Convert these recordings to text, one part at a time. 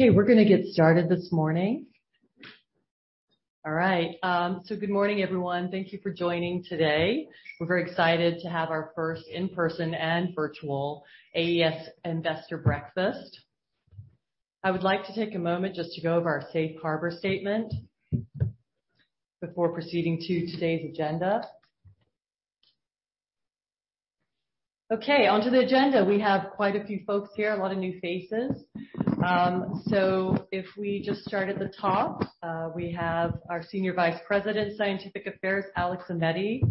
Okay, we're gonna get started this morning. All right. Good morning, everyone. Thank you for joining today. We're very excited to have our first in-person and virtual AES Investor Breakfast. I would like to take a moment just to go over our safe harbor statement before proceeding to today's agenda. Okay, onto the agenda. We have quite a few folks here, a lot of new faces. If we just start at the top, we have our Senior Vice President, Scientific Affairs, Alex Aimetti,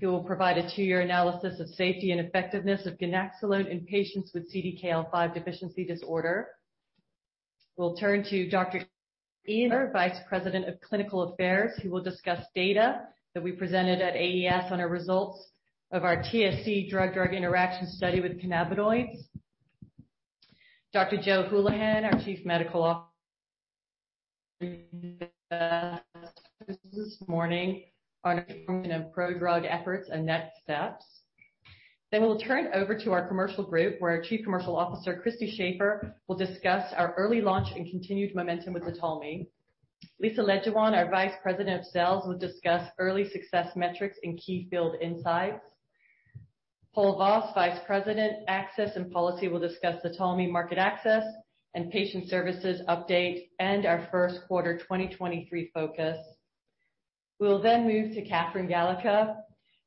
who will provide a two-year analysis of safety and effectiveness of ganaxolone in patients with CDKL5 Deficiency Disorder. We'll turn to Dr. Eder, Vice President of Clinical Affairs, who will discuss data that we presented at AES on our results of our TSC drug-drug interaction study with cannabinoids. Joe Hulihan, our Chief Medical Off- this morning on our pro-drug efforts and next steps. We'll turn over to our commercial group, where our Chief Commercial Officer, Christy Shafer, will discuss our early launch and continued momentum with ZTALMY. Lisa Lejuwaan, our Vice President of Sales, will discuss early success metrics and key field insights. Paul Voss, Vice President, Access and Policy, will discuss ZTALMY market access and patient services update, and our first quarter 2023 focus. We will then move to Katherine Galica,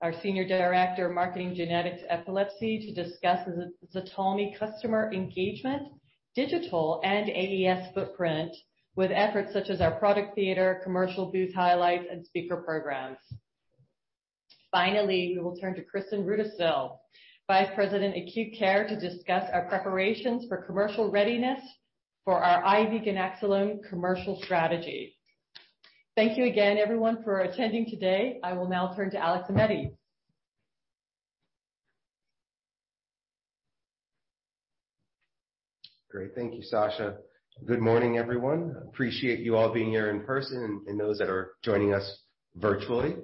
our Senior Director, Marketing Genetics Epilepsy, to discuss ZTALMY customer engagement, digital and AES footprint with efforts such as our product theater, commercial booth highlights, and speaker programs. Finally, we will turn to Kristin Rudisill, Vice President, Acute Care, to discuss our preparations for commercial readiness for our IV ganaxolone commercial strategy. Thank you again, everyone, for attending today.I will now turn to Alex Aimetti. Great. Thank you, Sasha. Good morning, everyone. Appreciate you all being here in person and those that are joining us virtually.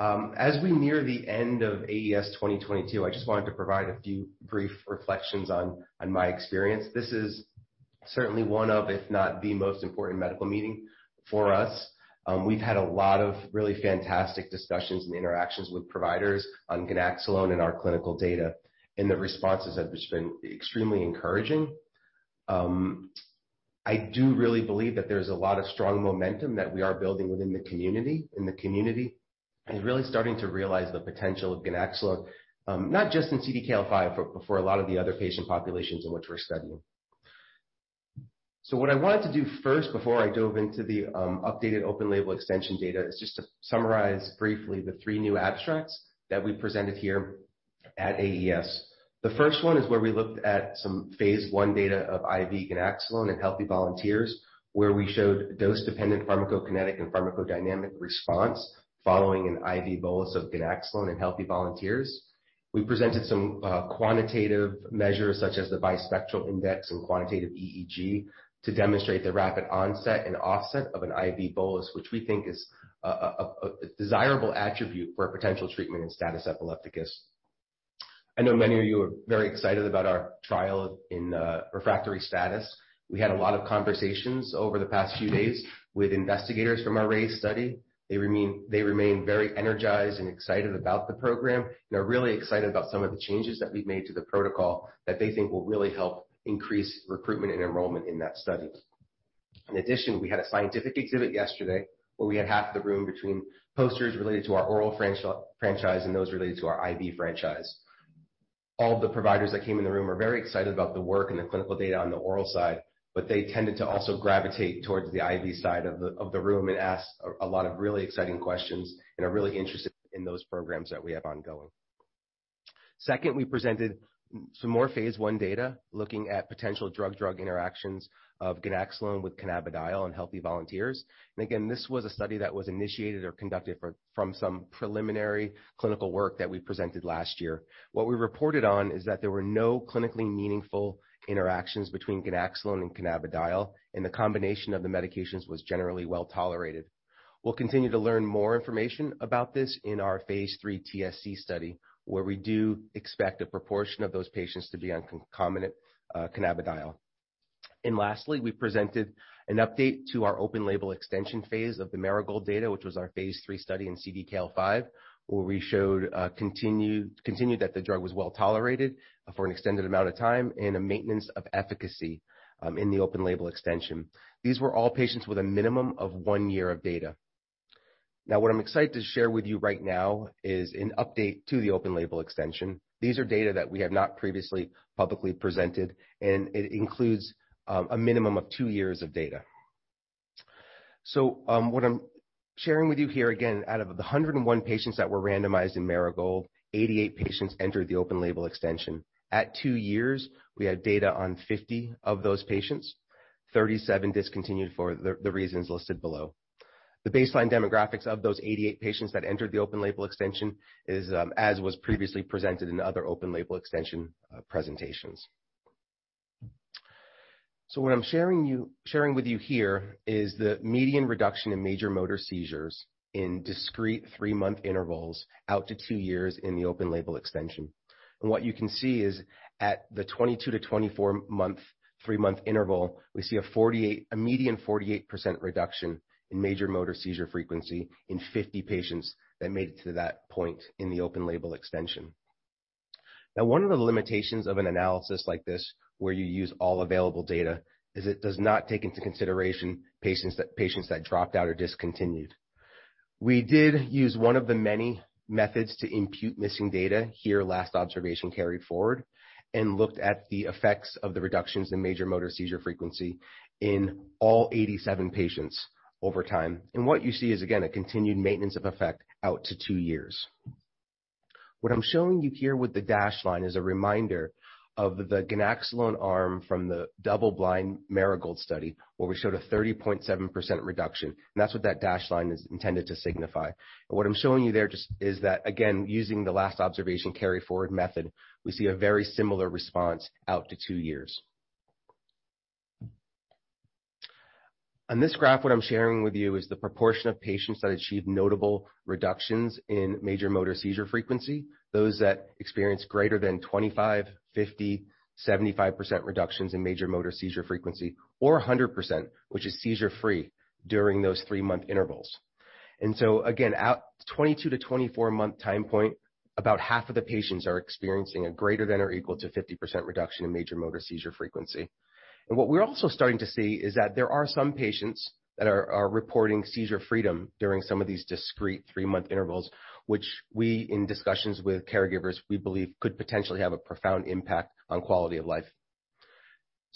As we near the end of AES 2022, I just wanted to provide a few brief reflections on my experience. This is certainly one of, if not the most important medical meeting for us. We've had a lot of really fantastic discussions and interactions with providers on ganaxolone and our clinical data, and the responses have just been extremely encouraging. I do really believe that there's a lot of strong momentum that we are building within the community, and really starting to realize the potential of ganaxolone, not just in CDKL5, but for a lot of the other patient populations in which we're studying. What I wanted to do first before I dove into the updated open label extension data is just to summarize briefly the three new abstracts that we presented here at AES. The first one is where we looked at some phase I data of IV ganaxolone in healthy volunteers, where we showed dose-dependent pharmacokinetic and pharmacodynamic response following an IV bolus of ganaxolone in healthy volunteers. We presented some quantitative measures such as the Bispectral Index and quantitative EEG to demonstrate the rapid onset and offset of an IV bolus, which we think is a desirable attribute for a potential treatment in status epilepticus. I know many of you are very excited about our trial in refractory status. We had a lot of conversations over the past few days with investigators from our RAISE study. They remain very energized and excited about the program, are really excited about some of the changes that we've made to the protocol that they think will really help increase recruitment and enrollment in that study. In addition, we had a scientific exhibit yesterday where we had half the room between posters related to our oral franchise and those related to our IV franchise. All the providers that came in the room were very excited about the work and the clinical data on the oral side, they tended to also gravitate towards the IV side of the room and asked a lot of really exciting questions and are really interested in those programs that we have ongoing. Second, we presented some more phase I data looking at potential drug-drug interactions of ganaxolone with cannabidiol in healthy volunteers. Again, this was a study that was initiated or conducted from some preliminary clinical work that we presented last year. What we reported on is that there were no clinically meaningful interactions between ganaxolone and cannabidiol, and the combination of the medications was generally well-tolerated. We'll continue to learn more information about this in our phase III TSC study, where we do expect a proportion of those patients to be on concomitant cannabidiol. Lastly, we presented an update to our open label extension phase of the Marigold data, which was our phase III study in CDKL5, where we showed continued that the drug was well-tolerated for an extended amount of time and a maintenance of efficacy in the open label extension. These were all patients with a minimum of one year of data. What I'm excited to share with you right now is an update to the open-label extension. These are data that we have not previously publicly presented. It includes a minimum of two years of data. What I'm sharing with you here, again, out of the 101 patients that were randomized in Marigold, 88 patients entered the open-label extension. At two years, we had data on 50 of those patients. 37 discontinued for the reasons listed below. The baseline demographics of those 88 patients that entered the open-label extension is as was previously presented in other open-label extension presentations. What I'm sharing with you here is the median reduction in major motor seizures in discrete three-month intervals out to two years in the open-label extension. What you can see is at the 22-24 month, three-month interval, we see a median 48% reduction in major motor seizure frequency in 50 patients that made it to that point in the open-label extension. One of the limitations of an analysis like this, where you use all available data, is it does not take into consideration patients that dropped out or discontinued. We did use one of the many methods to impute missing data. Here, Last Observation Carried Forward and looked at the effects of the reductions in major motor seizure frequency in all 87 patients over time. What you see is, again, a continued maintenance of effect out to two years. What I'm showing you here with the dashed line is a reminder of the ganaxolone arm from the double-blind Marigold study, where we showed a 30.7% reduction. That's what that dashed line is intended to signify. What I'm showing you there just is that again, using the Last Observation Carried Forward method, we see a very similar response out to two years. On this graph, what I'm sharing with you is the proportion of patients that achieved notable reductions in major motor seizure frequency. Those that experience greater than 25%, 50%, 75% reductions in major motor seizure frequency, or 100%, which is seizure-free during those three-month intervals. Again, at 22-24 month time point, about half of the patients are experiencing a greater than or equal to 50% reduction in major motor seizure frequency. What we're also starting to see is that there are reporting seizure freedom during some of these discrete three-month intervals, which we, in discussions with caregivers, we believe could potentially have a profound impact on quality of life.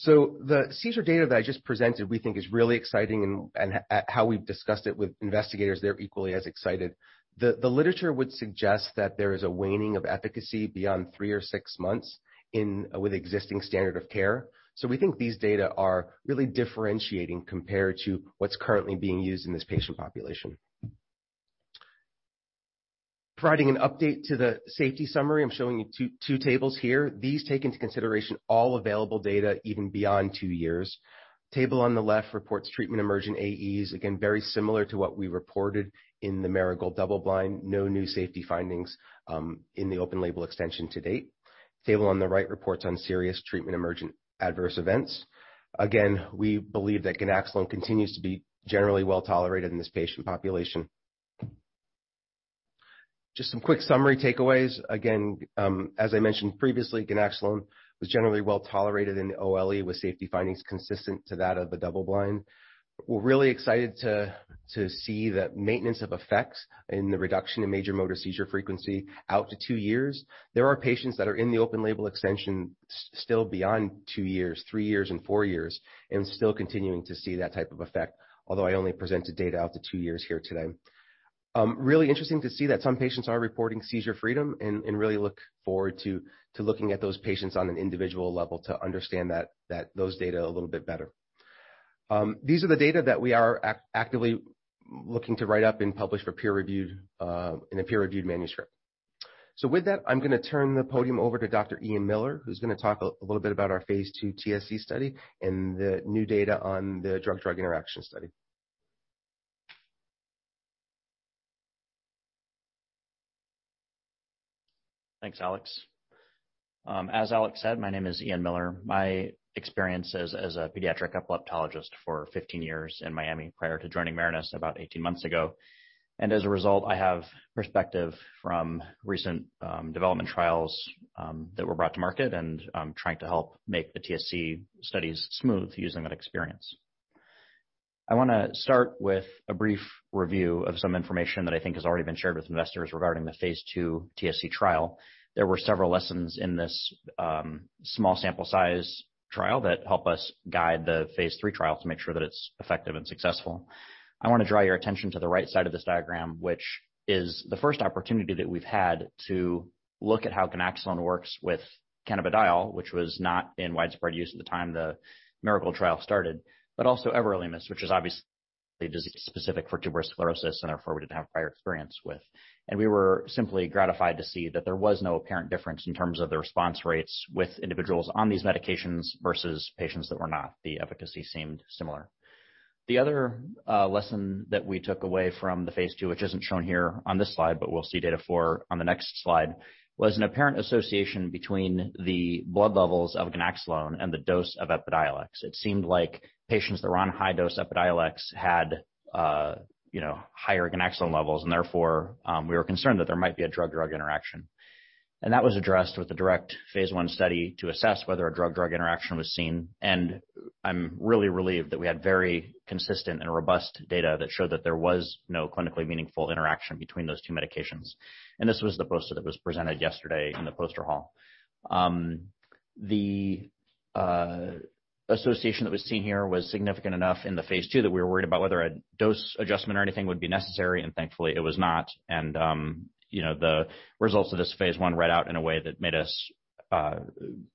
The seizure data that I just presented, we think is really exciting and at how we've discussed it with investigators, they're equally as excited. The literature would suggest that there is a waning of efficacy beyond three or six months with existing standard of care. We think these data are really differentiating compared to what's currently being used in this patient population. Providing an update to the safety summary, I'm showing you two tables here. These take into consideration all available data even beyond two years. Table on the left reports treatment emergent AEs, again, very similar to what we reported in the Marigold double-blind. No new safety findings in the open-label extension to date. Table on the right reports on serious treatment emergent adverse events. We believe that ganaxolone continues to be generally well-tolerated in this patient population. Just some quick summary takeaways. As I mentioned previously, ganaxolone was generally well-tolerated in the OLE with safety findings consistent to that of the double-blind. We're really excited to see that maintenance of effects in the reduction in major motor seizure frequency out to two years. There are patients that are in the open-label extension still beyond two years, three years and four years and still continuing to see that type of effect, although I only presented data out to two years here today. Really interesting to see that some patients are reporting seizure freedom and really look forward to looking at those patients on an individual level to understand that those data a little bit better. These are the data that we are actively looking to write up and publish for peer-reviewed in a peer-reviewed manuscript. With that, I'm gonna turn the podium over to Dr. Ian Miller, who's going to talk a little bit about our phase II TSC study and the new data on the drug-drug interaction study. Thanks, Alex. As Alex said, my name is Ian Miller. My experience as a pediatric epileptologist for 15 years in Miami prior to joining Marinus about 18 months ago, and as a result, I have perspective from recent development trials that were brought to market and trying to help make the TSC studies smooth using that experience. I wanna start with a brief review of some information that I think has already been shared with investors regarding the phase II TSC trial. There were several lessons in this small sample size trial that help us guide the phase III trial to make sure that it's effective and successful. I want to draw your attention to the right side of this diagram, which is the first opportunity that we've had to look at how ganaxolone works with cannabidiol, which was not in widespread use at the time the MIRACLE trial started, but also Everolimus, which is obviously disease-specific for tuberous sclerosis and therefore we didn't have prior experience with. We were simply gratified to see that there was no apparent difference in terms of the response rates with individuals on these medications versus patients that were not. The efficacy seemed similar. The other lesson that we took away from the phase II, which isn't shown here on this slide, but we'll see data for on the next slide, was an apparent association between the blood levels of ganaxolone and the dose of EPIDIOLEX. It seemed like patients that were on high-dose EPIDIOLEX had, you know, higher ganaxolone levels. Therefore, we were concerned that there might be a drug-drug interaction. That was addressed with the direct phase I study to assess whether a drug-drug interaction was seen. I'm really relieved that we had very consistent and robust data that showed that there was no clinically meaningful interaction between those two medications. This was the poster that was presented yesterday in the poster hall. The association that was seen here was significant enough in the phase II that we were worried about whether a dose adjustment or anything would be necessary. Thankfully it was not. You know, the results of this phase I read out in a way that made us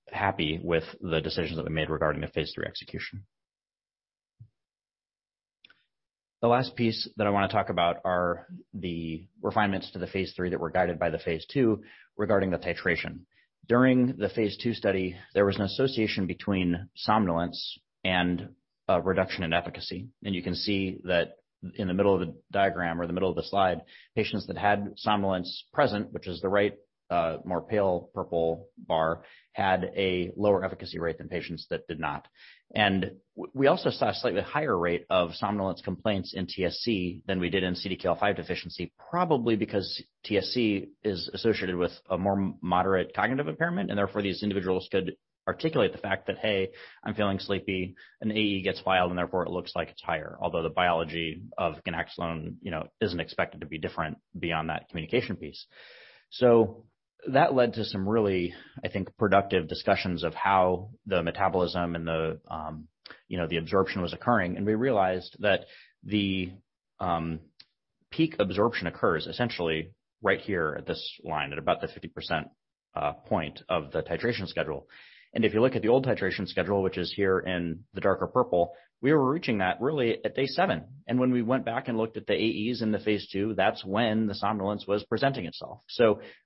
happy with the decisions that we made regarding the phase III execution. The last piece that I want to talk about are the refinements to the phase III that were guided by the phase II regarding the titration. During the phase II study, there was an association between somnolence and a reduction in efficacy. You can see that in the middle of the diagram or the middle of the slide, patients that had somnolence present, which is the right, more pale purple bar, had a lower efficacy rate than patients that did not. We also saw a slightly higher rate of somnolence complaints in TSC than we did in CDKL5 deficiency, probably because TSC is associated with a more moderate cognitive impairment, and therefore these individuals could articulate the fact that, "Hey, I'm feeling sleepy." An AE gets filed, and therefore it looks like it's higher, although the biology of ganaxolone, you know, isn't expected to be different beyond that communication piece. That led to some really, I think, productive discussions of how the metabolism and the, you know, the absorption was occurring. We realized that the peak absorption occurs essentially right here at this line, at about the 50% point of the titration schedule. If you look at the old titration schedule, which is here in the darker purple, we were reaching that really at day seven. When we went back and looked at the AEs in the phase II, that's when the somnolence was presenting itself.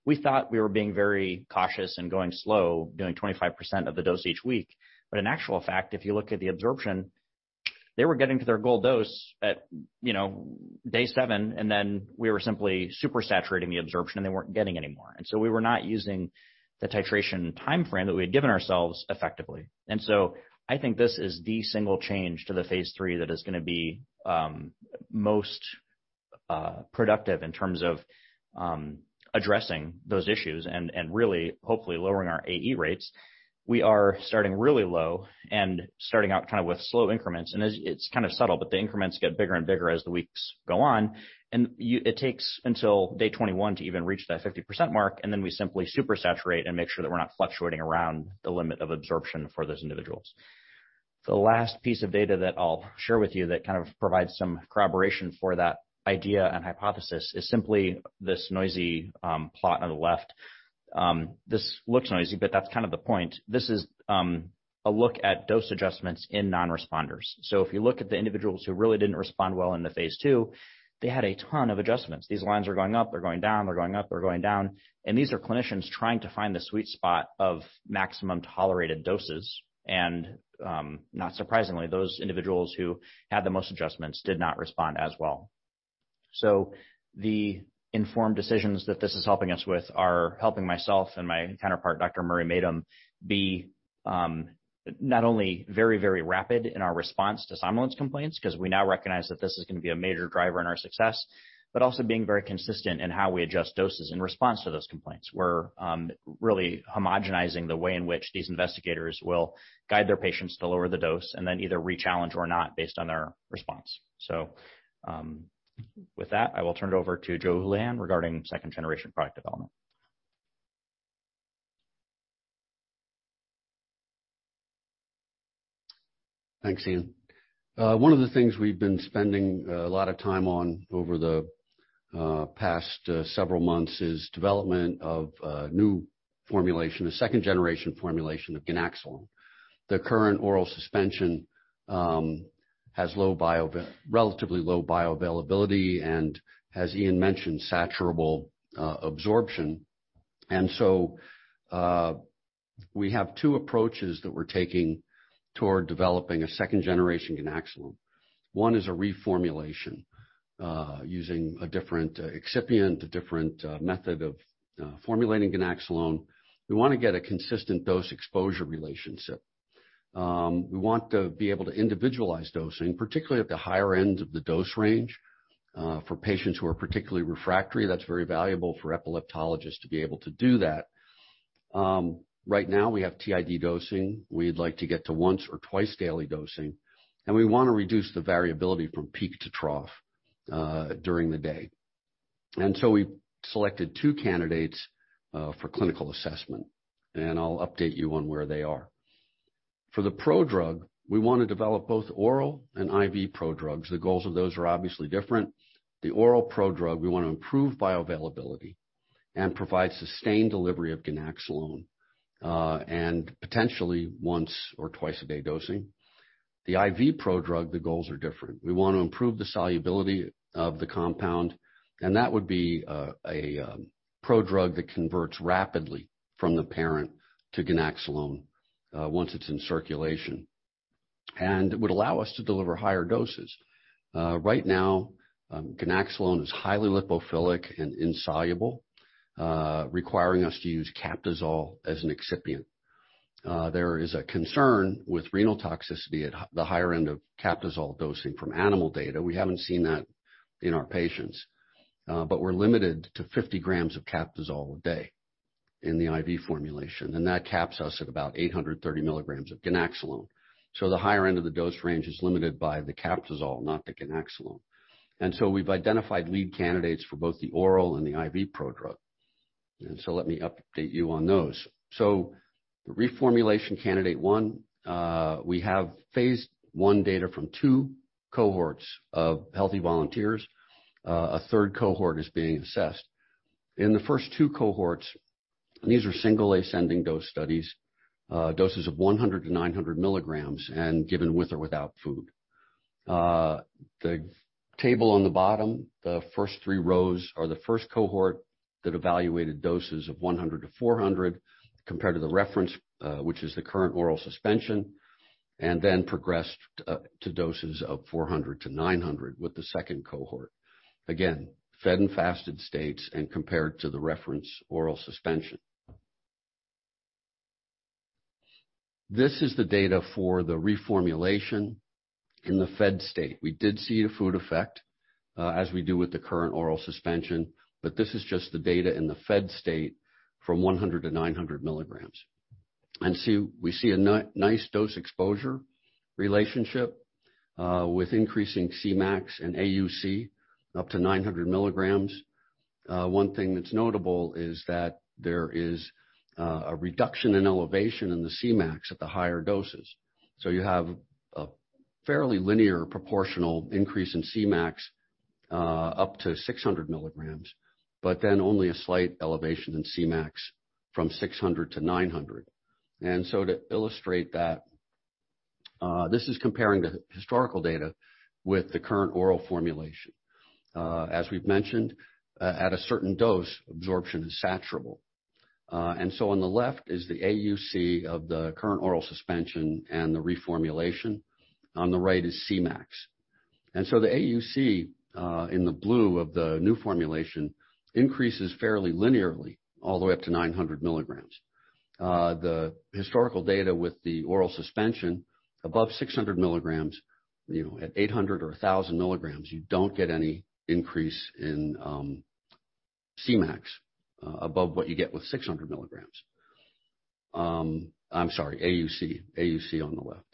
We thought we were being very cautious and going slow doing 25% of the dose each week. In actual fact, if you look at the absorption, they were getting to their goal dose at, you know, day seven, and then we were simply super saturating the absorption and they weren't getting any more. We were not using the titration timeframe that we had given ourselves effectively. I think this is the single change to the phase III that is gonna be most productive in terms of addressing those issues and really hopefully lowering our AE rates. We are starting really low and starting out kind of with slow increments. It's kind of subtle, but the increments get bigger and bigger as the weeks go on, it takes until day 21 to even reach that 50% mark, and then we simply super saturate and make sure that we're not fluctuating around the limit of absorption for those individuals. The last piece of data that I'll share with you that kind of provides some corroboration for that idea and hypothesis is simply this noisy plot on the left. This looks noisy, but that's kind of the point. This is a look at dose adjustments in non-responders. If you look at the individuals who really didn't respond well in the phase II, they had a ton of adjustments. These lines are going up, they're going down, they're going up, they're going down, and these are clinicians trying to find the sweet spot of maximum tolerated doses. Not surprisingly, those individuals who had the most adjustments did not respond as well. The informed decisions that this is helping us with are helping myself and my counterpart, Dr. Murray Madum, be not only very, very rapid in our response to simulant's complaints because we now recognize that this is going to be a major driver in our success. Also being very consistent in how we adjust doses in response to those complaints. We're really homogenizing the way in which these investigators will guide their patients to lower the dose and then either re-challenge or not based on their response. With that, I will turn it over to Joe Hulihan regarding second generation product development. Thanks, Ian. One of the things we've been spending a lot of time on over the past several months is development of a new formulation, a second generation formulation of ganaxolone. The current oral suspension has relatively low bioavailability and as Ian mentioned, saturable absorption. We have two approaches that we're taking toward developing a second generation ganaxolone. One is a reformulation, using a different excipient, a different method of formulating ganaxolone. We wanna get a consistent dose exposure relationship. We want to be able to individualize dosing, particularly at the higher end of the dose range, for patients who are particularly refractory. That's very valuable for epileptologists to be able to do that. Right now we have TID dosing. We'd like to get to once or twice daily dosing, and we wanna reduce the variability from peak to trough during the day. We selected two candidates for clinical assessment, and I'll update you on where they are. For the prodrug, we wanna develop both oral and IV prodrugs. The goals of those are obviously different. The oral prodrug, we wanna improve bioavailability and provide sustained delivery of ganaxolone and potentially once or twice a day dosing. The IV prodrug, the goals are different. We want to improve the solubility of the compound, and that would be a prodrug that converts rapidly from the parent to ganaxolone once it's in circulation and would allow us to deliver higher doses. Right now, ganaxolone is highly lipophilic and insoluble, requiring us to use Captisol as an excipient. There is a concern with renal toxicity at the higher end of Captisol dosing from animal data. We haven't seen that in our patients, but we're limited to 50 g of Captisol a day in the IV formulation, and that caps us at about 830 mg of ganaxolone. The higher end of the dose range is limited by the Captisol, not the ganaxolone. We've identified lead candidates for both the oral and the IV prodrug. Let me update you on those. The reformulation candidate one, we have phase I data from two cohorts of healthy volunteers. A third cohort is being assessed. In the first two cohorts, and these are single ascending dose studies, doses of 100-900 mg and given with or without food. The table on the bottom, the first three rows are the first cohort that evaluated doses of 100-400 compared to the reference, which is the current oral suspension, and then progressed to doses of 400-900 with the second cohort. Again, fed and fasted states and compared to the reference oral suspension. This is the data for the reformulation in the fed state. We did see a food effect, as we do with the current oral suspension, but this is just the data in the fed state from 100-900 mg. We see a nice dose exposure relationship, with increasing Cmax and AUC up to 900 mg. One thing that's notable is that there is a reduction in elevation in the Cmax at the higher doses. You have a fairly linear proportional increase in Cmax up to 600 mg, but then only a slight elevation in Cmax from 600-900. To illustrate that, this is comparing the historical data with the current oral formulation. As we've mentioned, at a certain dose, absorption is saturable. On the left is the AUC of the current oral suspension and the reformulation. On the right is Cmax. The AUC in the blue of the new formulation increases fairly linearly all the way up to 900 mg. The historical data with the oral suspension above 600 mg, you know, at 800 or 1,000 mg, you don't get any increase in Cmax above what you get with 600 mg. I'm sorry, AUC. AUC on the left.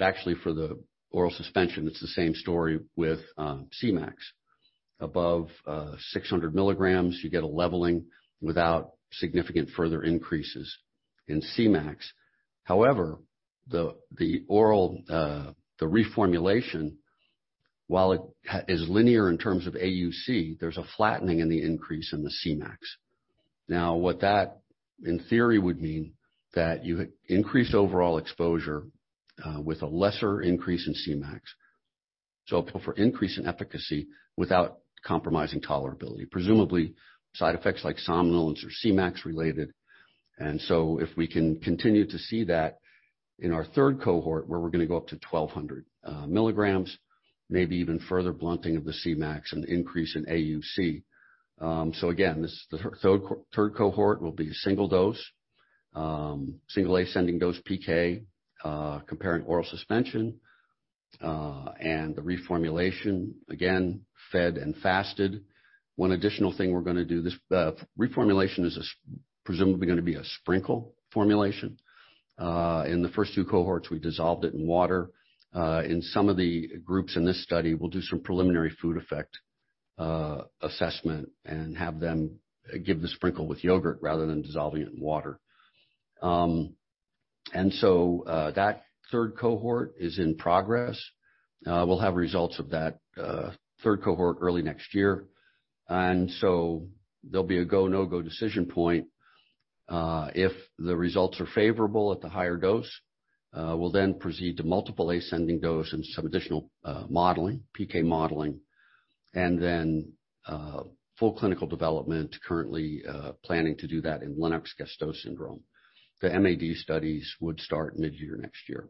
Actually for the oral suspension, it's the same story with Cmax. Above 600 mg, you get a leveling without significant further increases in Cmax. The oral reformulation, while it is linear in terms of AUC, there's a flattening in the increase in the Cmax. What that in theory would mean that you increase overall exposure with a lesser increase in Cmax. For increase in efficacy without compromising tolerability, presumably side effects like somnolence are Cmax related. If we can continue to see that in our third cohort, where we're gonna go up to 1,200 mg, maybe even further blunting of the Cmax and increase in AUC. Again, the third cohort will be single dose, single ascending dose PK, comparing oral suspension and the reformulation, again, fed and fasted. One additional thing we're gonna do, this reformulation is presumably gonna be a sprinkle formulation. In the first two cohorts, we dissolved it in water. In some of the groups in this study, we'll do some preliminary food effect assessment and have them give the sprinkle with yogurt rather than dissolving it in water. That third cohort is in progress. We'll have results of that third cohort early next year. There'll be a go, no-go decision point, if the results are favorable at the higher dose, we'll then proceed to multiple ascending dose and some additional modeling, PK modeling, and then full clinical development, currently planning to do that in Lennox-Gastaut syndrome. The MAD studies would start mid-year next year.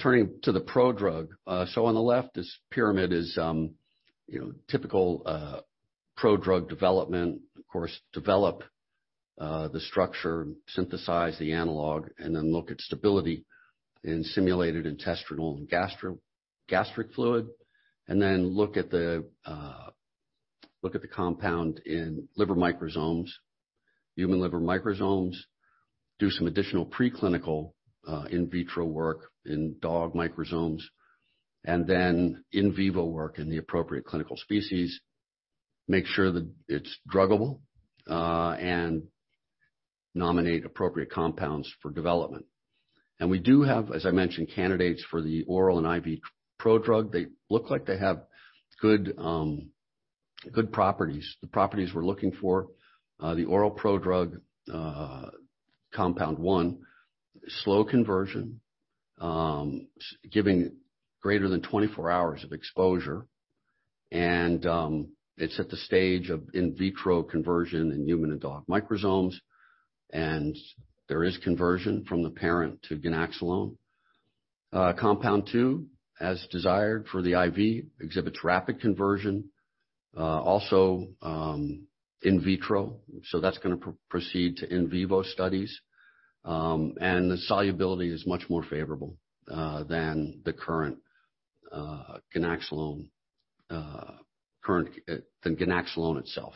Turning to the prodrug. On the left, this pyramid is, you know, typical prodrug development. Of course, develop the structure, synthesize the analog, and then look at stability in simulated intestinal and gastro-gastric fluid, and then look at the compound in liver microsomes, human liver microsomes, do some additional preclinical in vitro work in dog microsomes, and then in vivo work in the appropriate clinical species, make sure that it's druggable and nominate appropriate compounds for development. We do have, as I mentioned, candidates for the oral and IV prodrug. They look like they have good properties. The properties we're looking for, the oral prodrug, compound one, slow conversion, giving greater than 24 hours of exposure. It's at the stage of in vitro conversion in human and dog microsomes. There is conversion from the parent to ganaxolone. Compound two, as desired for the IV, exhibits rapid conversion, also, in vitro. That's gonna proceed to in vivo studies. The solubility is much more favorable than the current ganaxolone itself.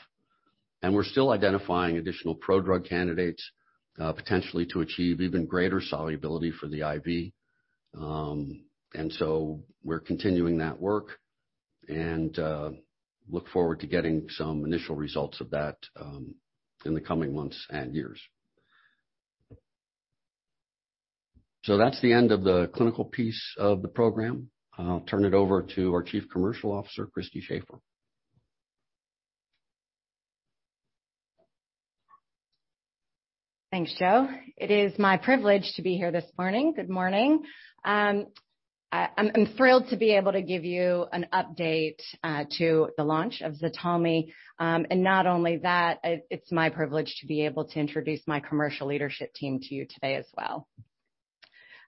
We're still identifying additional prodrug candidates, potentially to achieve even greater solubility for the IV. We're continuing that work and, look forward to getting some initial results of that, in the coming months and years. That's the end of the clinical piece of the program. I'll turn it over to our Chief Commercial Officer, Christy Shafer. Thanks, Joe. It is my privilege to be here this morning. Good morning. I'm thrilled to be able to give you an update to the launch of ZTALMY. Not only that, it's my privilege to be able to introduce my commercial leadership team to you today as well.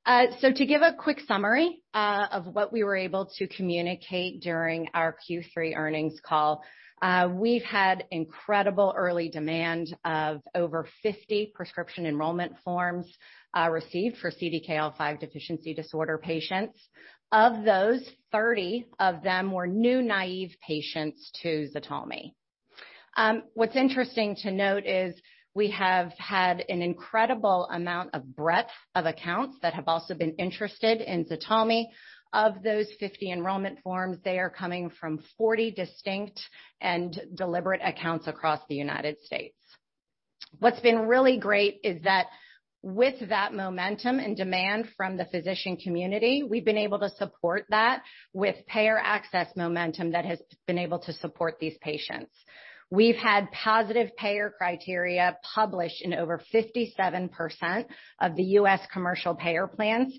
To give a quick summary of what we were able to communicate during our Q3 earnings call. We've had incredible early demand of over 50 prescription enrollment forms received for CDKL5 deficiency disorder patients. Of those, 30 of them were new, naive patients to ZTALMY. What's interesting to note is we have had an incredible amount of breadth of accounts that have also been interested in ZTALMY. Of those 50 enrollment forms, they are coming from 40 distinct and deliberate accounts across the United States. What's been really great is that with that momentum and demand from the physician community, we've been able to support that with payer access momentum that has been able to support these patients. We've had positive payer criteria published in over 57% of the U.S. commercial payer plans,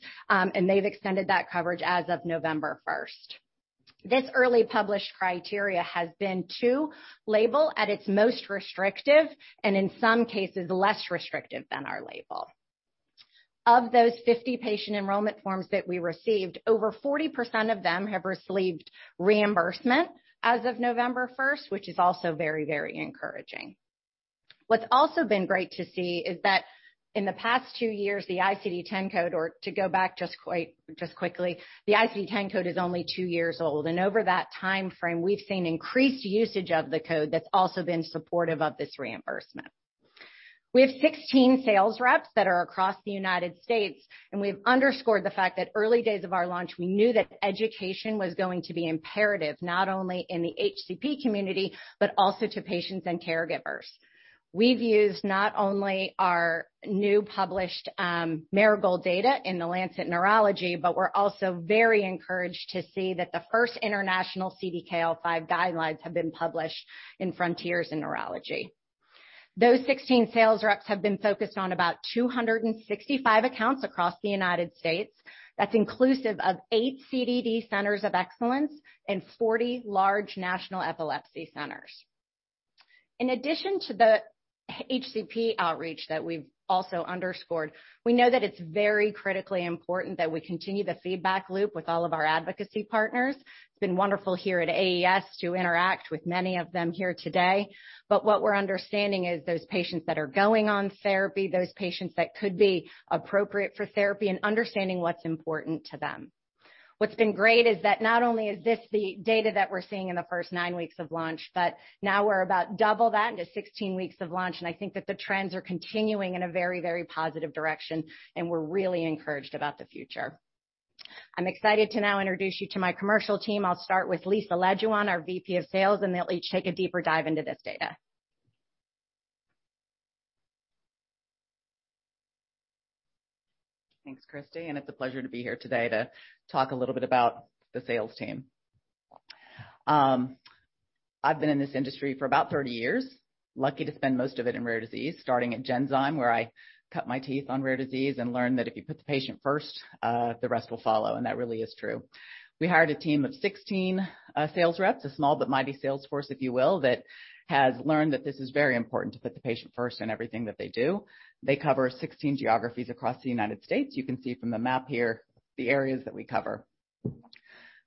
they've extended that coverage as of November 1st. This early published criteria has been to label at its most restrictive, in some cases, less restrictive than our label. Of those 50 patient enrollment forms that we received, over 40% of them have received reimbursement as of November 1st, which is also very, very encouraging. What's also been great to see is that in the past two years, the ICD-10 code, to go back just quickly, the ICD-10 code is only two years old. Over that timeframe, we've seen increased usage of the code that's also been supportive of this reimbursement. We have 16 sales reps that are across the United States, and we've underscored the fact that early days of our launch, we knew that education was going to be imperative not only in the HCP community, but also to patients and caregivers. We've used not only our new published Marigold data in The Lancet Neurology, but we're also very encouraged to see that the first international CDKL5 guidelines have been published in Frontiers in Neurology. Those 16 sales reps have been focused on about 265 accounts across the United States. That's inclusive of 8 CDD centers of excellence and 40 large national epilepsy centers. In addition to the HCP outreach that we've also underscored, we know that it's very critically important that we continue the feedback loop with all of our advocacy partners. It's been wonderful here at AES to interact with many of them here today. What we're understanding is those patients that are going on therapy, those patients that could be appropriate for therapy and understanding what's important to them. What's been great is that not only is this the data that we're seeing in the first 9 weeks of launch, but now we're about double that into 16 weeks of launch, and I think that the trends are continuing in a very, very positive direction, and we're really encouraged about the future. I'm excited to now introduce you to my commercial team. I'll start with Lisa Lejuwaan, our VP of Sales, and they'll each take a deeper dive into this data. Thanks, Christy, it's a pleasure to be here today to talk a little bit about the sales team. I've been in this industry for about 30 years. Lucky to spend most of it in rare disease, starting at Genzyme, where I cut my teeth on rare disease and learned that if you put the patient first, the rest will follow, and that really is true. We hired a team of 16 sales reps, a small but mighty sales force, if you will, that has learned that this is very important, to put the patient first in everything that they do. They cover 16 geographies across the United States. You can see from the map here the areas that we cover.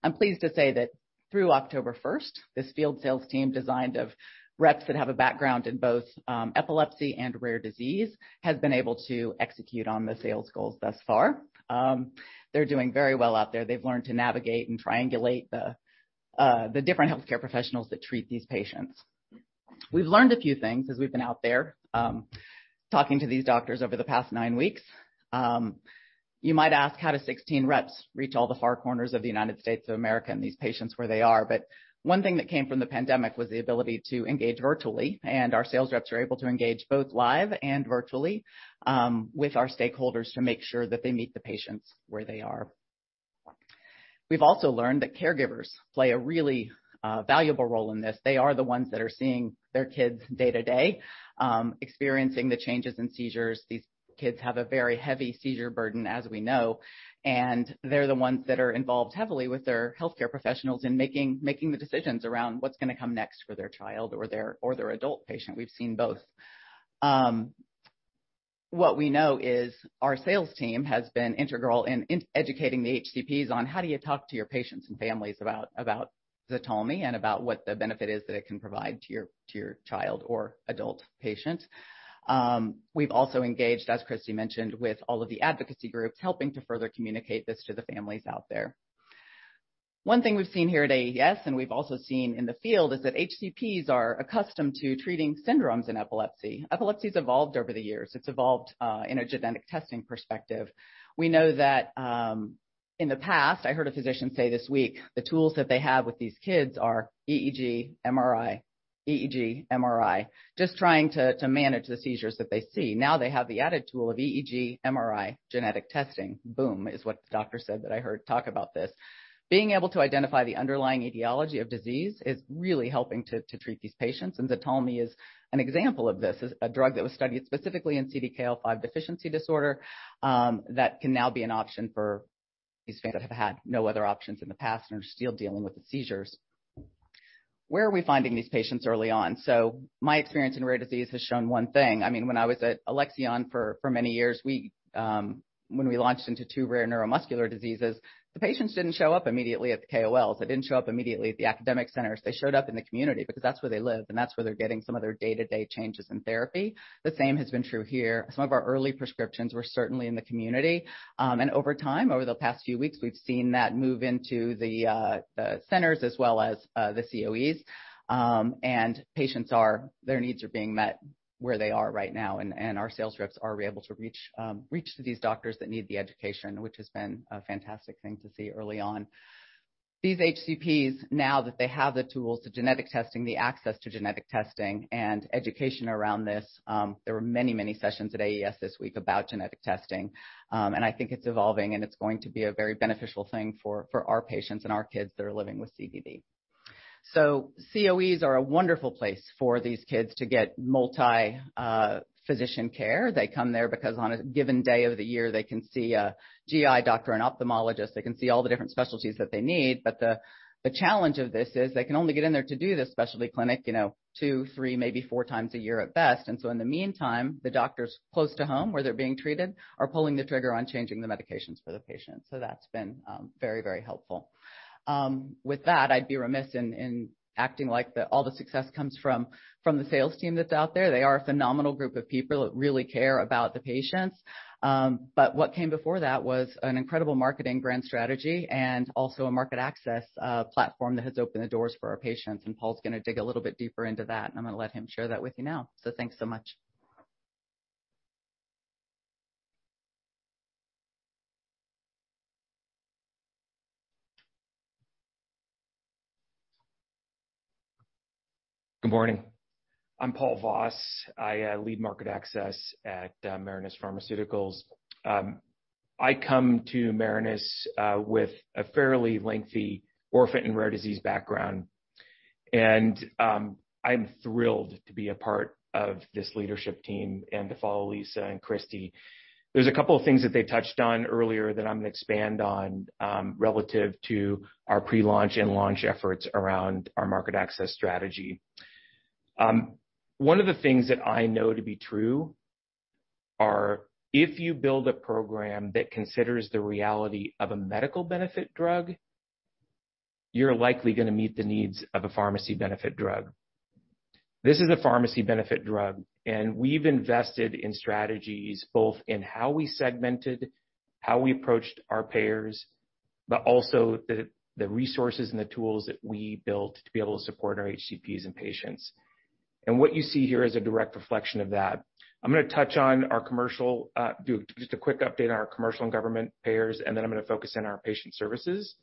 I'm pleased to say that through October 1st, this field sales team, designed of reps that have a background in both epilepsy and rare disease, has been able to execute on the sales goals thus far. They're doing very well out there. They've learned to navigate and triangulate the different healthcare professionals that treat these patients. We've learned a few things as we've been out there, talking to these doctors over the past nine weeks. You might ask how do 16 reps reach all the far corners of the United States of America and these patients where they are. One thing that came from the pandemic was the ability to engage virtually, and our sales reps are able to engage both live and virtually with our stakeholders to make sure that they meet the patients where they are. We've also learned that caregivers play a really valuable role in this. They are the ones that are seeing their kids day to day, experiencing the changes in seizures. These kids have a very heavy seizure burden, as we know, and they're the ones that are involved heavily with their healthcare professionals in making the decisions around what's gonna come next for their child or their adult patient. We've seen both. What we know is our sales team has been integral in educating the HCPs on how do you talk to your patients and families about ZTALMY and about what the benefit is that it can provide to your child or adult patient. We've also engaged, as Christy mentioned, with all of the advocacy groups, helping to further communicate this to the families out there. One thing we've seen here at AES, and we've also seen in the field, is that HCPs are accustomed to treating syndromes in epilepsy. Epilepsy's evolved over the years. It's evolved in a genetic testing perspective. We know that in the past, I heard a physician say this week, the tools that they have with these kids are EEG, MRI, EEG, MRI, just trying to manage the seizures that they see. Now they have the added tool of EEG, MRI, genetic testing. Boom, is what the doctor said that I heard talk about this. Being able to identify the underlying etiology of disease is really helping to treat these patients. ZTALMY is an example of this. It is a drug that was studied specifically in CDKL5 Deficiency Disorder, that can now be an option for these patients that have had no other options in the past and are still dealing with the seizures. Where are we finding these patients early on? My experience in rare disease has shown 1 thing. I mean, when I was at Alexion for many years, we, when we launched into two rare neuromuscular diseases, the patients didn't show up immediately at the KOLs. They didn't show up immediately at the academic centers. They showed up in the community because that's where they live, and that's where they're getting some of their day-to-day changes in therapy. The same has been true here. Some of our early prescriptions were certainly in the community. Over time, over the past few weeks, we've seen that move into the centers as well as the COEs. Their needs are being met where they are right now, and our sales reps are able to reach to these doctors that need the education, which has been a fantastic thing to see early on. These HCPs, now that they have the tools to genetic testing, the access to genetic testing and education around this, there were many sessions at AES this week about genetic testing. I think it's evolving, and it's going to be a very beneficial thing for our patients and our kids that are living with CDD. COEs are a wonderful place for these kids to get multi-physician care. They come there because on a given day of the year, they can see a GI doctor, an ophthalmologist. They can see all the different specialties that they need. The challenge of this is they can only get in there to do this specialty clinic, you know, two, three, maybe four times a year at best. In the meantime, the doctors close to home where they're being treated are pulling the trigger on changing the medications for the patient. That's been very, very helpful. With that, I'd be remiss in acting like all the success comes from the sales team that's out there. They are a phenomenal group of people that really care about the patients. What came before that was an incredible marketing brand strategy and also a market access platform that has opened the doors for our patients. Paul's gonna dig a little bit deeper into that, and I'm gonna let him share that with you now. Thanks so much. Good morning. I'm Paul Voss. I lead market access at Marinus Pharmaceuticals. I come to Marinus with a fairly lengthy orphan and rare disease background. I'm thrilled to be a part of this leadership team and to follow Lisa and Christy. There's a couple of things that they touched on earlier that I'm going to expand on relative to our pre-launch and launch efforts around our market access strategy. One of the things that I know to be true are if you build a program that considers the reality of a medical benefit drug, you're likely gonna meet the needs of a pharmacy benefit drug. This is a pharmacy benefit drug, and we've invested in strategies both in how we segmented, how we approached our payers, but also the resources and the tools that we built to be able to support our HCPs and patients. What you see here is a direct reflection of that. I'm gonna touch on our commercial, do just a quick update on our commercial and government payers, and then I'm gonna focus in on our patient services.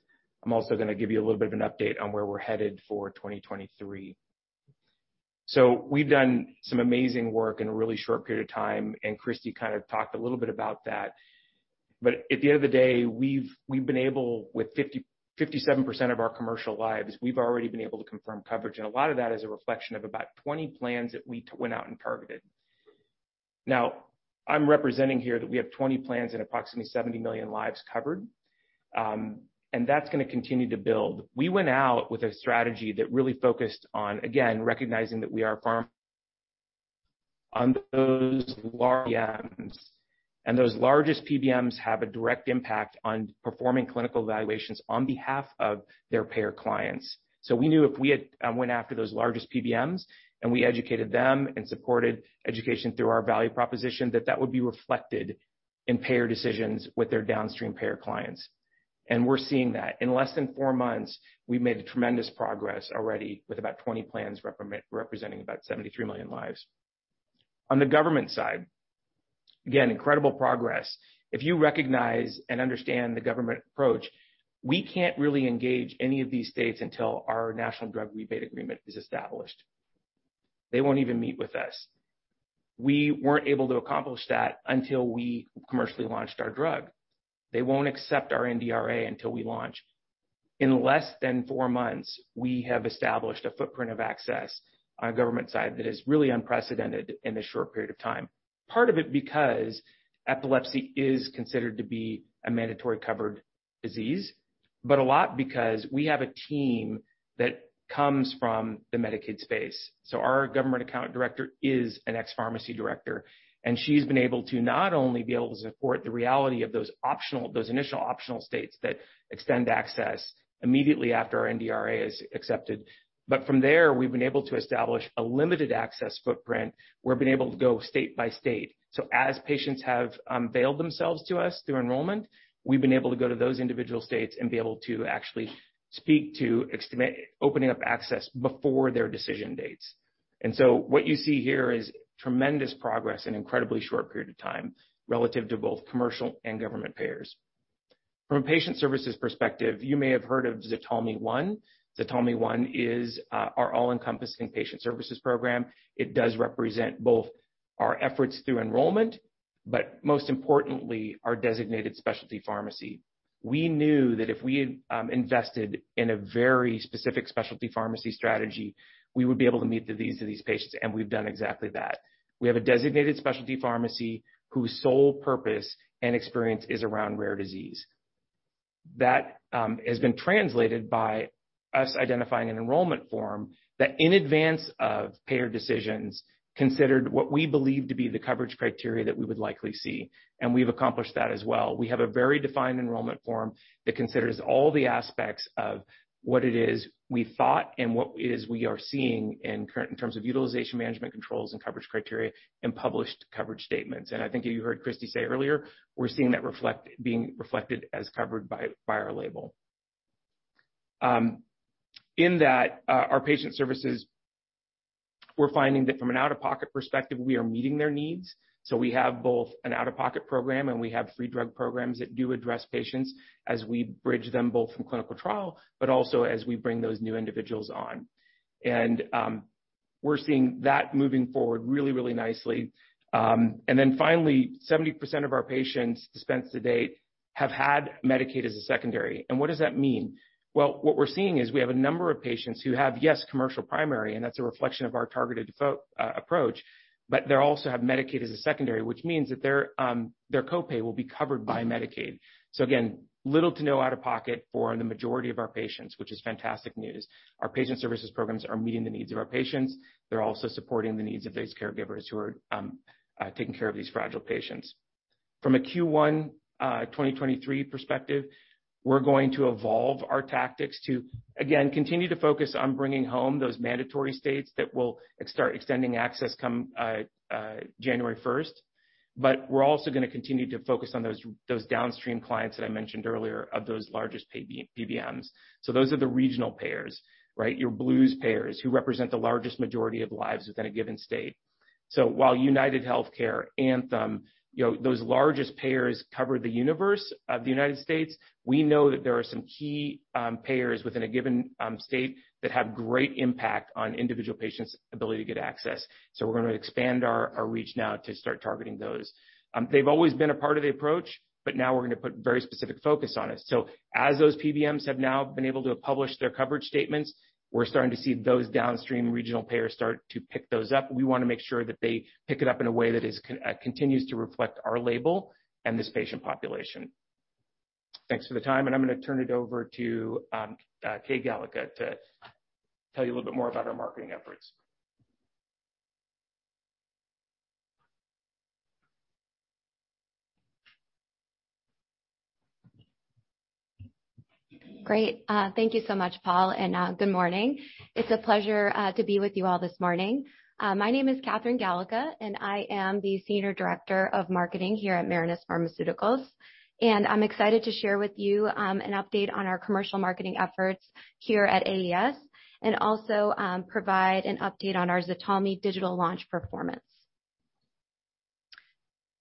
I'm also gonna give you a little bit of an update on where we're headed for 2023. We've done some amazing work in a really short period of time, and Christy kind of talked a little bit about that. At the end of the day, we've been able, with 57% of our commercial lives, we've already been able to confirm coverage. A lot of that is a reflection of about 20 plans that we went out and targeted. I'm representing here that we have 20 plans and approximately 70 million lives covered. That's going to continue to build. We went out with a strategy that really focused on, again, recognizing that we are a pharm on those large PBMs, and those largest PBMs have a direct impact on performing clinical evaluations on behalf of their payer clients. We knew if we had went after those largest PBMs and we educated them and supported education through our value proposition, that that would be reflected in payer decisions with their downstream payer clients. We're seeing that. In less than four months, we've made tremendous progress already with about 20 plans representing about 73 million lives. On the government side, again, incredible progress. If you recognize and understand the government approach, we can't really engage any of these states until our national drug rebate agreement is established. They won't even meet with us. We weren't able to accomplish that until we commercially launched our drug. They won't accept our NDRA until we launch. In less than four months, we have established a footprint of access on the government side that is really unprecedented in this short period of time. Part of it because epilepsy is considered to be a mandatory covered disease, but a lot because we have a team that comes from the Medicaid space. Our government account director is an ex-pharmacy director, and she's been able to not only be able to support the reality of those initial optional states that extend access immediately after our NDRA is accepted. From there, we've been able to establish a limited access footprint. We've been able to go state by state. As patients have, veiled themselves to us through enrollment, we've been able to go to those individual states and be able to actually speak to opening up access before their decision dates. What you see here is tremendous progress in incredibly short period of time relative to both commercial and government payers. From a patient services perspective, you may have heard of ZTALMY One. ZTALMY One is our all-encompassing patient services program. It does represent both our efforts through enrollment, but most importantly, our designated specialty pharmacy. We knew that if we, invested in a very specific specialty pharmacy strategy, we would be able to meet the needs of these patients, and we've done exactly that. We have a designated specialty pharmacy whose sole purpose and experience is around rare disease. That has been translated by us identifying an enrollment form that in advance of payer decisions, considered what we believe to be the coverage criteria that we would likely see, and we've accomplished that as well. We have a very defined enrollment form that considers all the aspects of what it is we thought and what it is we are seeing in terms of utilization management controls and coverage criteria and published coverage statements. I think you heard Christy say earlier, we're seeing that being reflected as covered by our label. In that, our patient services, we're finding that from an out-of-pocket perspective, we are meeting their needs. We have both an out-of-pocket program, and we have free drug programs that do address patients as we bridge them both from clinical trial, but also as we bring those new individuals on. We're seeing that moving forward really, really nicely. Finally, 70% of our patients dispensed to date have had Medicaid as a secondary. What does that mean? Well, what we're seeing is we have a number of patients who have, yes, commercial primary, and that's a reflection of our targeted approach, but they also have Medicaid as a secondary, which means that their copay will be covered by Medicaid. Again, little to no out-of-pocket for the majority of our patients, which is fantastic news. Our patient services programs are meeting the needs of our patients. They're also supporting the needs of those caregivers who are taking care of these fragile patients. From a Q1 2023 perspective, we're going to evolve our tactics to, again, continue to focus on bringing home those mandatory states that will start extending access come January 1st. We're also gonna continue to focus on those downstream clients that I mentioned earlier of those largest PBMs. Those are the regional payers, right? Your Blues payers who represent the largest majority of lives within a given state. While UnitedHealthcare, Anthem, you know, those largest payers cover the universe of the United States, we know that there are some key payers within a given state that have great impact on individual patients' ability to get access. We're gonna expand our reach now to start targeting those. They've always been a part of the approach, but now we're gonna put very specific focus on it. As those PBMs have now been able to publish their coverage statements, we're starting to see those downstream regional payers start to pick those up. We wanna make sure that they pick it up in a way that continues to reflect our label and this patient population. Thanks for the time, and I'm gonna turn it over to Katherine Galica to tell you a little bit more about our marketing efforts. Great. Thank you so much, Paul, and good morning. It's a pleasure to be with you all this morning. My name is Katherine Galica, and I am the Senior Director of Marketing here at Marinus Pharmaceuticals. I'm excited to share with you an update on our commercial marketing efforts here at AES, and also provide an update on our ZTALMY digital launch performance.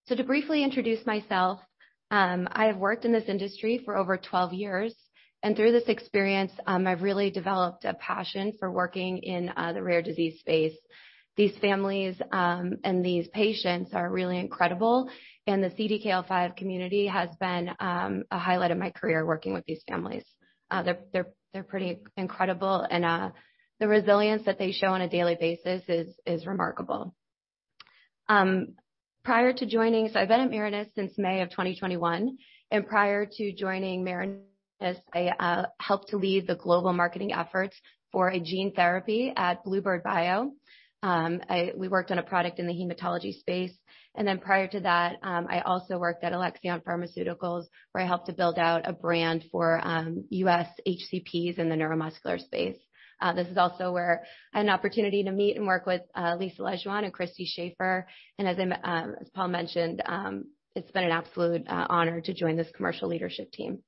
To briefly introduce myself, I have worked in this industry for over 12 years, and through this experience, I've really developed a passion for working in the rare disease space. These families, and these patients are really incredible, and the CDKL5 community has been a highlight of my career working with these families. They're pretty incredible and the resilience that they show on a daily basis is remarkable. I've been at Marinus since May of 2021, and prior to joining Marinus, I helped to lead the global marketing efforts for a gene therapy at Bluebird Bio. We worked on a product in the hematology space, prior to that, I also worked at Alexion Pharmaceuticals, where I helped to build out a brand for U.S. HCPs in the neuromuscular space. This is also where I had an opportunity to meet and work with Lisa Lejuwaan and Christy Shafer. As Paul mentioned, it's been an absolute honor to join this commercial leadership team.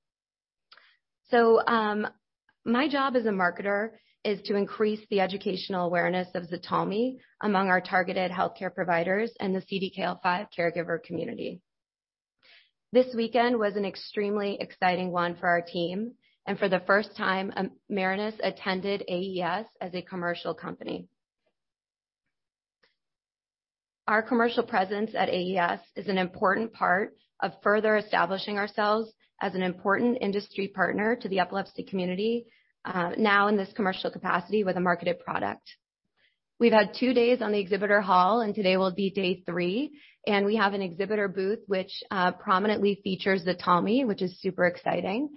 My job as a marketer is to increase the educational awareness of ZTALMY among our targeted healthcare providers and the CDKL5 caregiver community. This weekend was an extremely exciting one for our team. For the first time, Marinus attended AES as a commercial company. Our commercial presence at AES is an important part of further establishing ourselves as an important industry partner to the epilepsy community, now in this commercial capacity with a marketed product. We've had two days on the exhibitor hall. Today will be day three, and we have an exhibitor booth which prominently features ZTALMY, which is super exciting.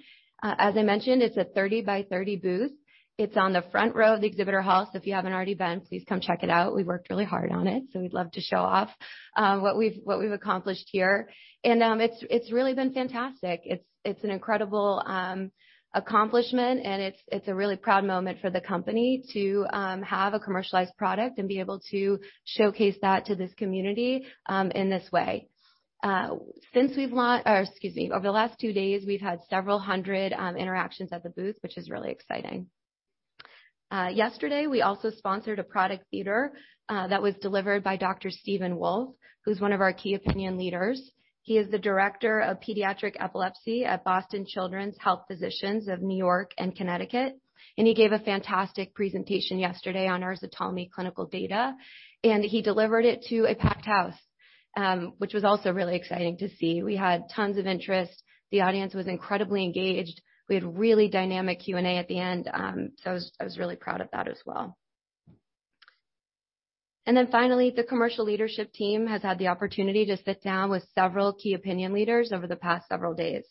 As I mentioned, it's a 30 by 30 booth. It's on the front row of the exhibitor hall. If you haven't already been, please come check it out. We worked really hard on it. We'd love to show off what we've accomplished here. It's really been fantastic. It's an incredible accomplishment, and it's a really proud moment for the company to have a commercialized product and be able to showcase that to this community in this way. Over the last two days, we've had several hundred interactions at the booth, which is really exciting. Yesterday, we also sponsored a product theater that was delivered by Dr. Stephen Wolf, who's one of our key opinion leaders. He is the Director of Pediatric Epilepsy at Boston Children's Health Physicians of New York and Connecticut. He gave a fantastic presentation yesterday on our ZTALMY clinical data, and he delivered it to a packed house, which was also really exciting to see. We had tons of interest. The audience was incredibly engaged. We had really dynamic Q&A at the end, so I was really proud of that as well. Finally, the commercial leadership team has had the opportunity to sit down with several key opinion leaders over the past several days.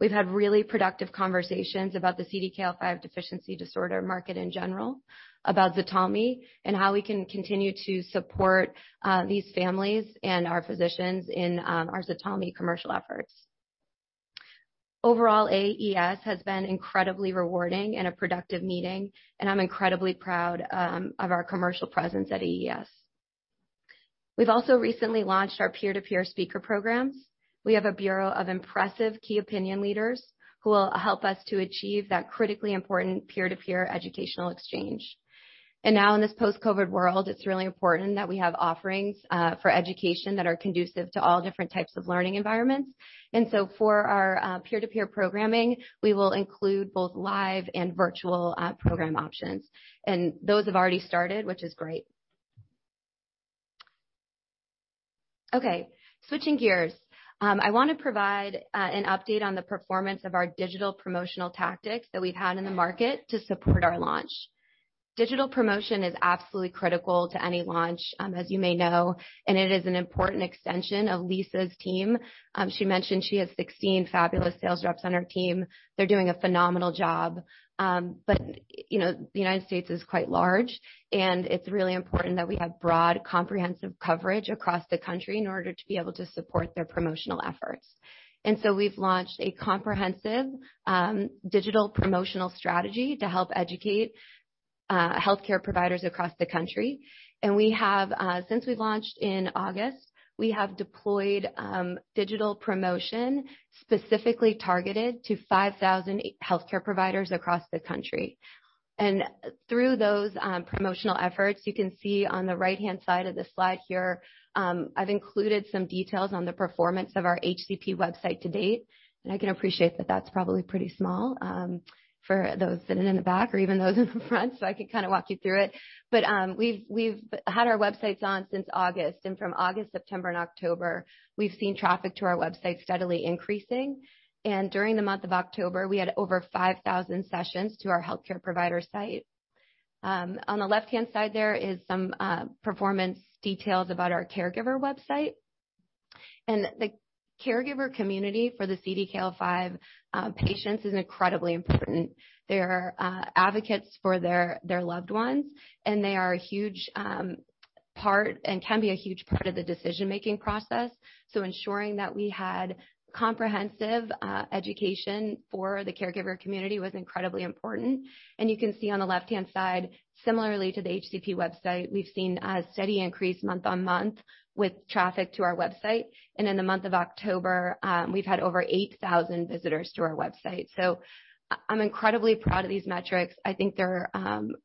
We've had really productive conversations about the CDKL5 Deficiency Disorder market in general, about ZTALMY, and how we can continue to support these families and our physicians in our ZTALMY commercial efforts. Overall, AES has been incredibly rewarding and a productive meeting, and I'm incredibly proud of our commercial presence at AES. We've also recently launched our peer-to-peer speaker programs. We have a bureau of impressive key opinion leaders who will help us to achieve that critically important peer-to-peer educational exchange. Now, in this post-COVID world, it's really important that we have offerings for education that are conducive to all different types of learning environments. So for our peer-to-peer programming, we will include both live and virtual program options. Those have already started, which is great. Okay, switching gears. I wanna provide an update on the performance of our digital promotional tactics that we've had in the market to support our launch. Digital promotion is absolutely critical to any launch, as you may know, and it is an important extension of Lisa's team. She mentioned she has 16 fabulous sales reps on her team. They're doing a phenomenal job. You know, the United States is quite large, and it's really important that we have broad, comprehensive coverage across the country in order to be able to support their promotional efforts. We've launched a comprehensive digital promotional strategy to help educate healthcare providers across the country. Since we launched in August, we have deployed digital promotion specifically targeted to 5,000 healthcare providers across the country. Through those promotional efforts, you can see on the right-hand side of the slide here, I've included some details on the performance of our HCP website to date. I can appreciate that that's probably pretty small for those sitting in the back or even those in the front, so I can kinda walk you through it. We've had our websites on since August. From August, September, and October, we've seen traffic to our website steadily increasing. During the month of October, we had over 5,000 sessions to our healthcare provider site. On the left-hand side, there is some performance details about our caregiver website. The caregiver community for the CDKL5 patients is incredibly important. They are advocates for their loved ones, and they are a huge part and can be a huge part of the decision-making process. Ensuring that we had comprehensive education for the caregiver community was incredibly important. You can see on the left-hand side, similarly to the HCP website, we've seen a steady increase month on month with traffic to our website. In the month of October, we've had over 8,000 visitors to our website. I'm incredibly proud of these metrics. I think they're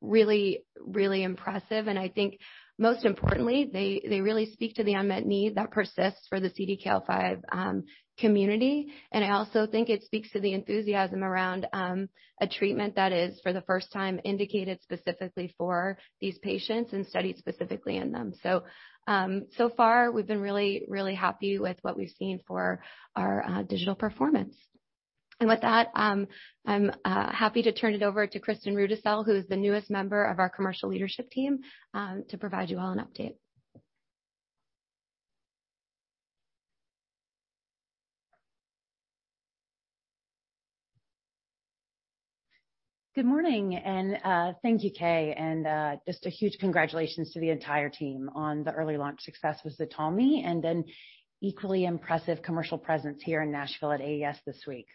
really, really impressive, and I think most importantly, they really speak to the unmet need that persists for the CDKL5 community. I also think it speaks to the enthusiasm around a treatment that is, for the first time, indicated specifically for these patients and studied specifically in them. So far, we've been really, really happy with what we've seen for our digital performance. With that, I'm happy to turn it over to Kristin Rudisill, who is the newest member of our commercial leadership team to provide you all an update. Good morning. Thank you, Kay. Just a huge congratulations to the entire team on the early launch success with ZTALMY, and an equally impressive commercial presence here in Nashville at AES this week.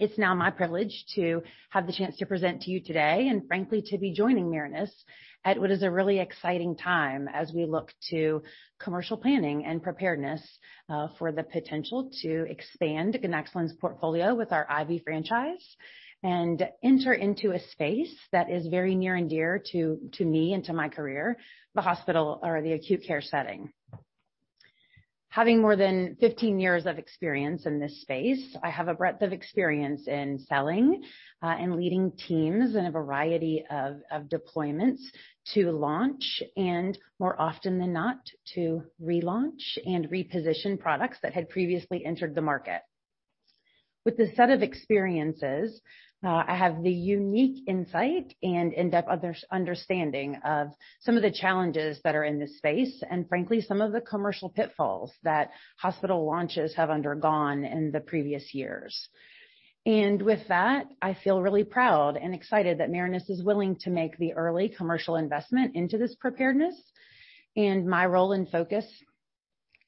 It's now my privilege to have the chance to present to you today, and frankly, to be joining Marinus at what is a really exciting time as we look to commercial planning and preparedness for the potential to expand ganaxolone's portfolio with our IV franchise and enter into a space that is very near and dear to me and to my career, the hospital or the acute care setting. Having more than 15 years of experience in this space, I have a breadth of experience in selling and leading teams in a variety of deployments to launch, and more often than not, to relaunch and reposition products that had previously entered the market. With this set of experiences, I have the unique insight and in-depth understanding of some of the challenges that are in this space and frankly, some of the commercial pitfalls that hospital launches have undergone in the previous years. With that, I feel really proud and excited that Marinus is willing to make the early commercial investment into this preparedness. My role and focus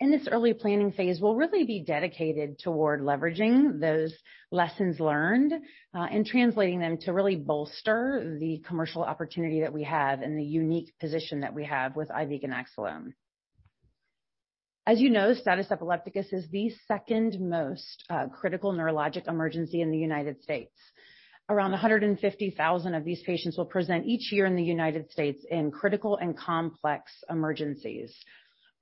in this early planning phase will really be dedicated toward leveraging those lessons learned, and translating them to really bolster the commercial opportunity that we have and the unique position that we have with IV ganaxolone. As you know, status epilepticus is the second most critical neurologic emergency in the United States. Around 150,000 of these patients will present each year in the United States in critical and complex emergencies.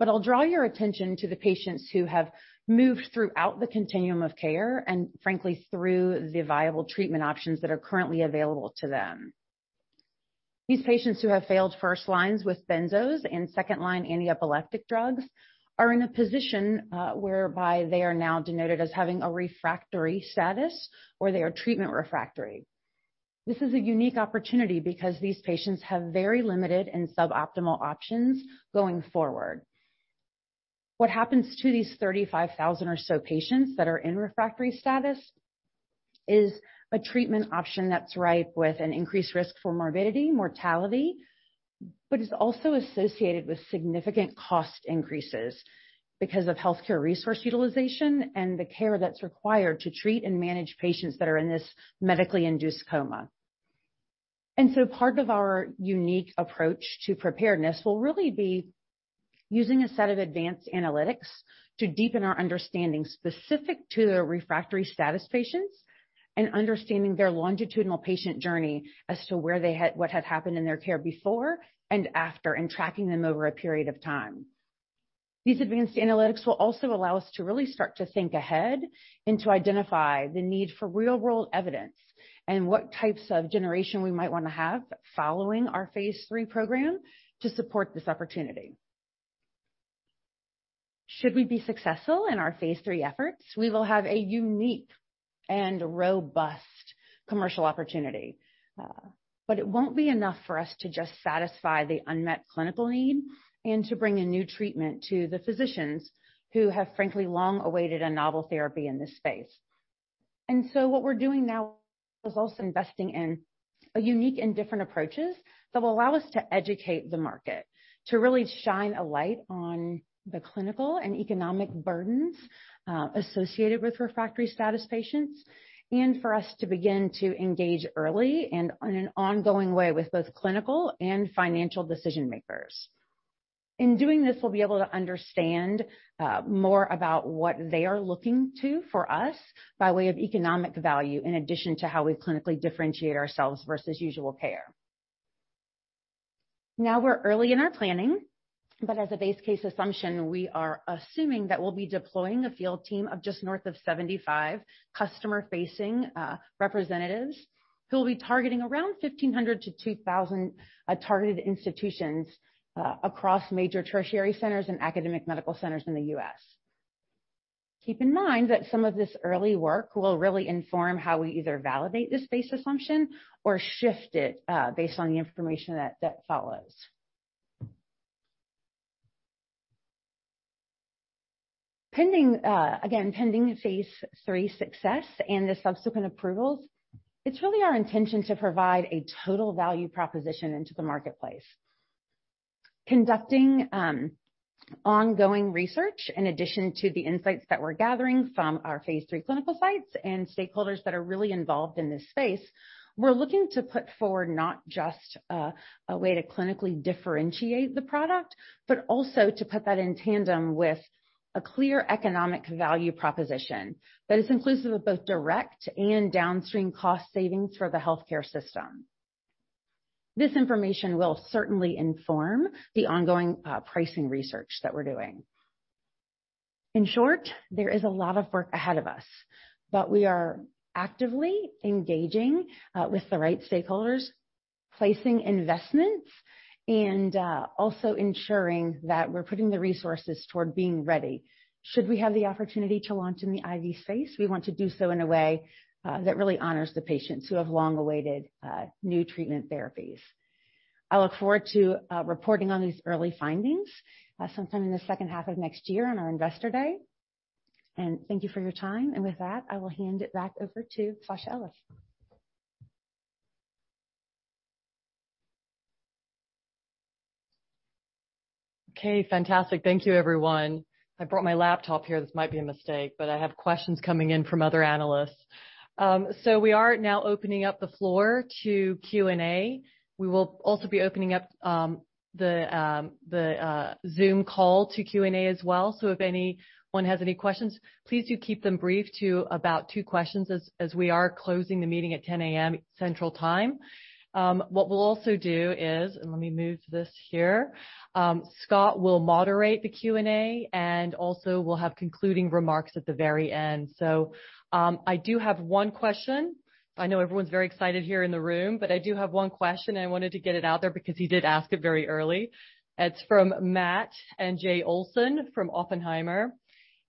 I'll draw your attention to the patients who have moved throughout the continuum of care and frankly, through the viable treatment options that are currently available to them. These patients who have failed first lines with benzos and second line antiepileptic drugs are in a position, whereby they are now denoted as having a refractory status, or they are treatment refractory. This is a unique opportunity because these patients have very limited and suboptimal options going forward. What happens to these 35,000 or so patients that are in refractory status is a treatment option that's ripe with an increased risk for morbidity, mortality, but is also associated with significant cost increases because of healthcare resource utilization and the care that's required to treat and manage patients that are in this medically induced coma. Part of our unique approach to preparedness will really be using a set of advanced analytics to deepen our understanding specific to the refractory status patients and understanding their longitudinal patient journey as to what had happened in their care before and after, and tracking them over a period of time. These advanced analytics will also allow us to really start to think ahead and to identify the need for real-world evidence and what types of generation we might wanna have following our phase III program to support this opportunity. Should we be successful in our phase III efforts, we will have a unique and robust commercial opportunity. It won't be enough for us to just satisfy the unmet clinical need and to bring a new treatment to the physicians who have frankly long awaited a novel therapy in this space. What we're doing now is also investing in a unique and different approaches that will allow us to educate the market, to really shine a light on the clinical and economic burdens associated with refractory status patients, and for us to begin to engage early and in an ongoing way with both clinical and financial decision-makers. In doing this, we'll be able to understand more about what they are looking to for us by way of economic value, in addition to how we clinically differentiate ourselves versus usual care. We're early in our planning, but as a base case assumption, we are assuming that we'll be deploying a field team of just north of 75 customer-facing representatives who will be targeting around 1,500-2,000 targeted institutions across major tertiary centers and academic medical centers in the U.S. Keep in mind that some of this early work will really inform how we either validate this base assumption or shift it, based on the information that follows. Pending, again, pending phase III success and the subsequent approvals, it's really our intention to provide a total value proposition into the marketplace. Conducting ongoing research in addition to the insights that we're gathering from our phase III clinical sites and stakeholders that are really involved in this space, we're looking to put forward not just a way to clinically differentiate the product, but also to put that in tandem with a clear economic value proposition that is inclusive of both direct and downstream cost savings for the healthcare system. This information will certainly inform the ongoing pricing research that we're doing. In short, there is a lot of work ahead of us, but we are actively engaging with the right stakeholders, placing investments, and also ensuring that we're putting the resources toward being ready should we have the opportunity to launch in the IV space. We want to do so in a way that really honors the patients who have long awaited new treatment therapies. I look forward to reporting on these early findings sometime in the second half of next year on our investor day. Thank you for your time. With that, I will hand it back over to Sasha Ellis. Okay. Fantastic. Thank you, everyone. I brought my laptop here. This might be a mistake, but I have questions coming in from other analysts. We are now opening up the floor to Q&A. We will also be opening up the Zoom call to Q&A as well. If anyone has any questions, please do keep them brief to about two questions as we are closing the meeting at 10:00 A.M. Central Time. What we'll also do. Let me move this here. Scott will moderate the Q&A. We'll have concluding remarks at the very end. I do have 1 question. I know everyone's very excited here in the room, but I do have one question, and I wanted to get it out there because he did ask it very early. It's from Matt and Jay Olson from Oppenheimer.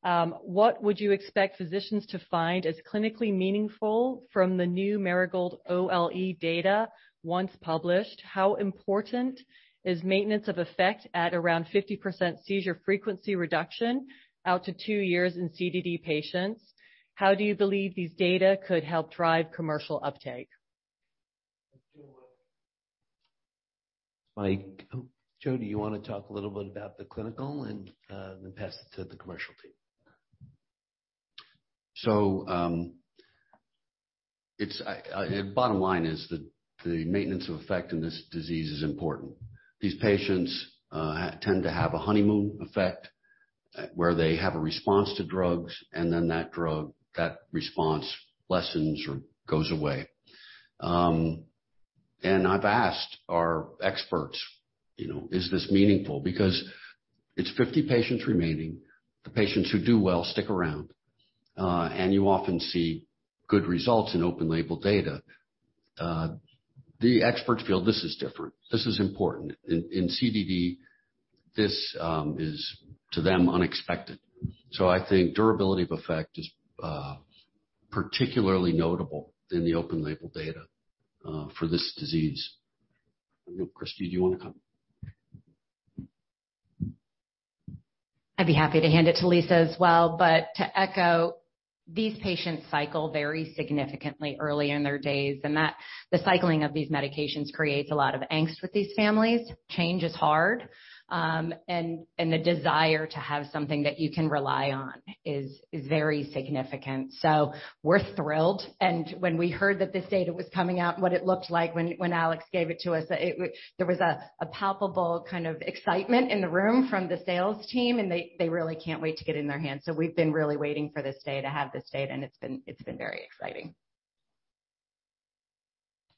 What would you expect physicians to find as clinically meaningful from the new Marigold OLE data once published? How important is maintenance of effect at around 50% seizure frequency reduction out to two years in CDD patients? How do you believe these data could help drive commercial uptake? Mike, Oh, Joey, you wanna talk a little bit about the clinical and then pass it to the commercial team? It's bottom line is the maintenance of effect in this disease is important. These patients tend to have a honeymoon effect, where they have a response to drugs, and then that drug, that response lessens or goes away. I've asked our experts, you know, is this meaningful? Because it's 50 patients remaining. The patients who do well stick around. You often see good results in open label data. The experts feel this is different, this is important. In, in CDD, this is to them unexpected. I think durability of effect is particularly notable in the open label data for this disease. I know, Christy, do you wanna comment? I'd be happy to hand it to Lisa as well, but to echo, these patients cycle very significantly early in their days, and the cycling of these medications creates a lot of angst with these families. Change is hard. The desire to have something that you can rely on is very significant. We're thrilled. When we heard that this data was coming out, what it looked like when Alex gave it to us, that there was a palpable kind of excitement in the room from the sales team, and they really can't wait to get it in their hands. We've been really waiting for this day to have this data, and it's been very exciting.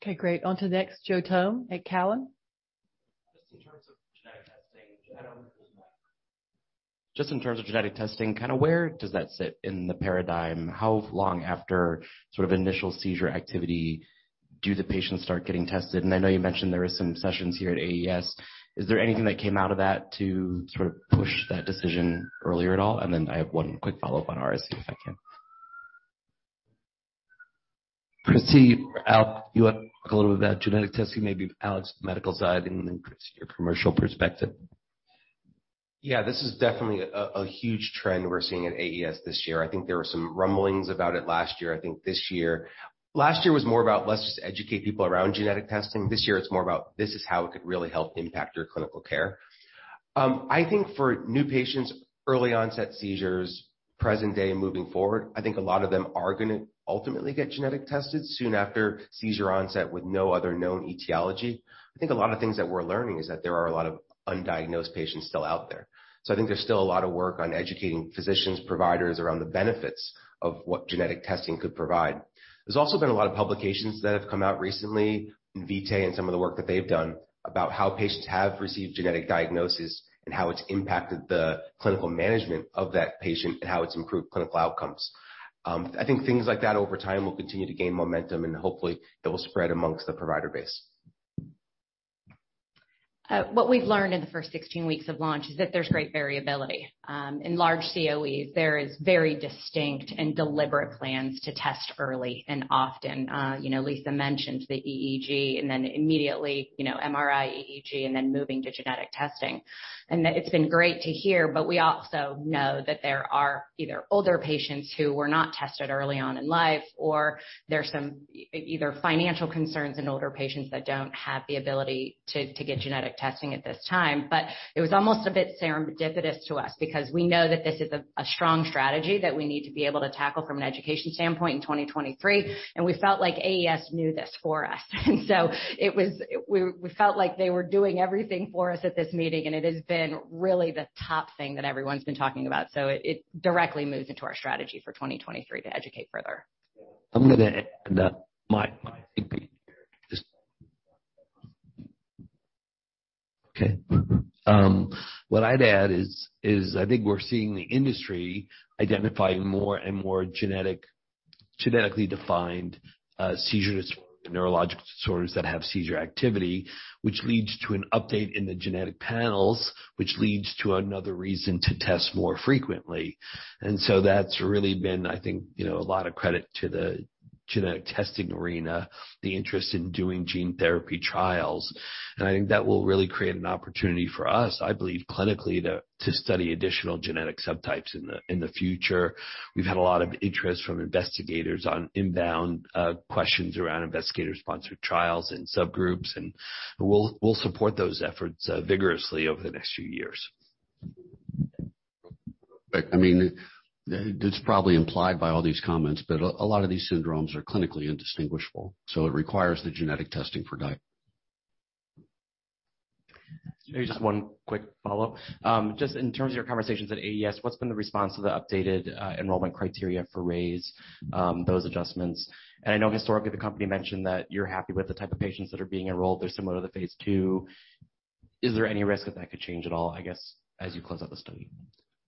Okay, great. On to the next, Joe Thome at Cowen. Just in terms of genetic testing. I don't know if there's a mic. Just in terms of genetic testing, kind of where does that sit in the paradigm? How long after sort of initial seizure activity do the patients start getting tested? I know you mentioned there is some sessions here at AES. Is there anything that came out of that to sort of push that decision earlier at all? I have one quick follow-up on RSE, if I can. Christy, Al, you want to talk a little bit about genetic testing, maybe Alex, medical side, and then Christy, your commercial perspective. Yeah. This is definitely a huge trend we're seeing at AES this year. I think there were some rumblings about it last year. Last year was more about let's just educate people around genetic testing. This year it's more about this is how it could really help impact your clinical care. I think for new patients, early onset seizures, present day moving forward, I think a lot of them are gonna ultimately get genetic tested soon after seizure onset with no other known etiology. I think a lot of things that we're learning is that there are a lot of undiagnosed patients still out there. I think there's still a lot of work on educating physicians, providers around the benefits of what genetic testing could provide. There's also been a lot of publications that have come out recently, Invitae and some of the work that they've done, about how patients have received genetic diagnosis and how it's impacted the clinical management of that patient and how it's improved clinical outcomes. I think things like that over time will continue to gain momentum, and hopefully it will spread amongst the provider base. What we've learned in the first 16 weeks of launch is that there's great variability. In large COEs, there is very distinct and deliberate plans to test early and often. You know, Lisa mentioned the EEG, and then immediately, you know, MRI, EEG, and then moving to genetic testing. That it's been great to hear, but we also know that there are either older patients who were not tested early on in life or there's some either financial concerns in older patients that don't have the ability to get genetic testing at this time. It was almost a bit serendipitous to us because we know that this is a strong strategy that we need to be able to tackle from an education standpoint in 2023, and we felt like AES knew this for us. We felt like they were doing everything for us at this meeting, and it has been really the top thing that everyone's been talking about. It directly moves into our strategy for 2023 to educate further. I'm gonna add my two bits here. Okay. What I'd add is, I think we're seeing the industry identifying more and more genetically defined seizure disorder, neurological disorders that have seizure activity, which leads to an update in the genetic panels, which leads to another reason to test more frequently. That's really been, I think, you know, a lot of credit to the genetic testing arena, the interest in doing gene therapy trials. I think that will really create an opportunity for us, I believe, clinically, to study additional genetic subtypes in the future. We've had a lot of interest from investigators on inbound questions around investigator-sponsored trials and subgroups, and we'll support those efforts vigorously over the next few years. I mean, it's probably implied by all these comments, but a lot of these syndromes are clinically indistinguishable, so it requires the genetic testing for diagnosis. Maybe just 1 quick follow-up. Just in terms of your conversations at AES, what's been the response to the updated enrollment criteria for RAISE, those adjustments? I know historically the company mentioned that you're happy with the type of patients that are being enrolled. They're similar to the phase II. Is there any risk that that could change at all, I guess, as you close out the study?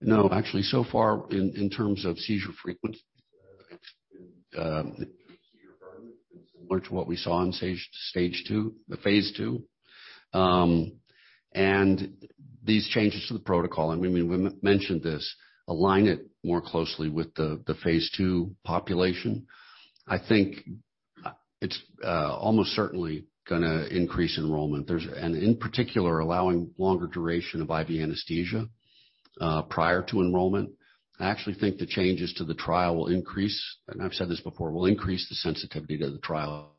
No. Actually, so far in terms of seizure frequencies, it's been pretty firm. It's similar to what we saw on stage two, the phase II. These changes to the protocol, and we mentioned this, align it more closely with the phase II population. I think it's almost certainly gonna increase enrollment. In particular, allowing longer duration of IV anesthesia prior to enrollment. I actually think the changes to the trial will increase, and I've said this before, will increase the sensitivity to the trial,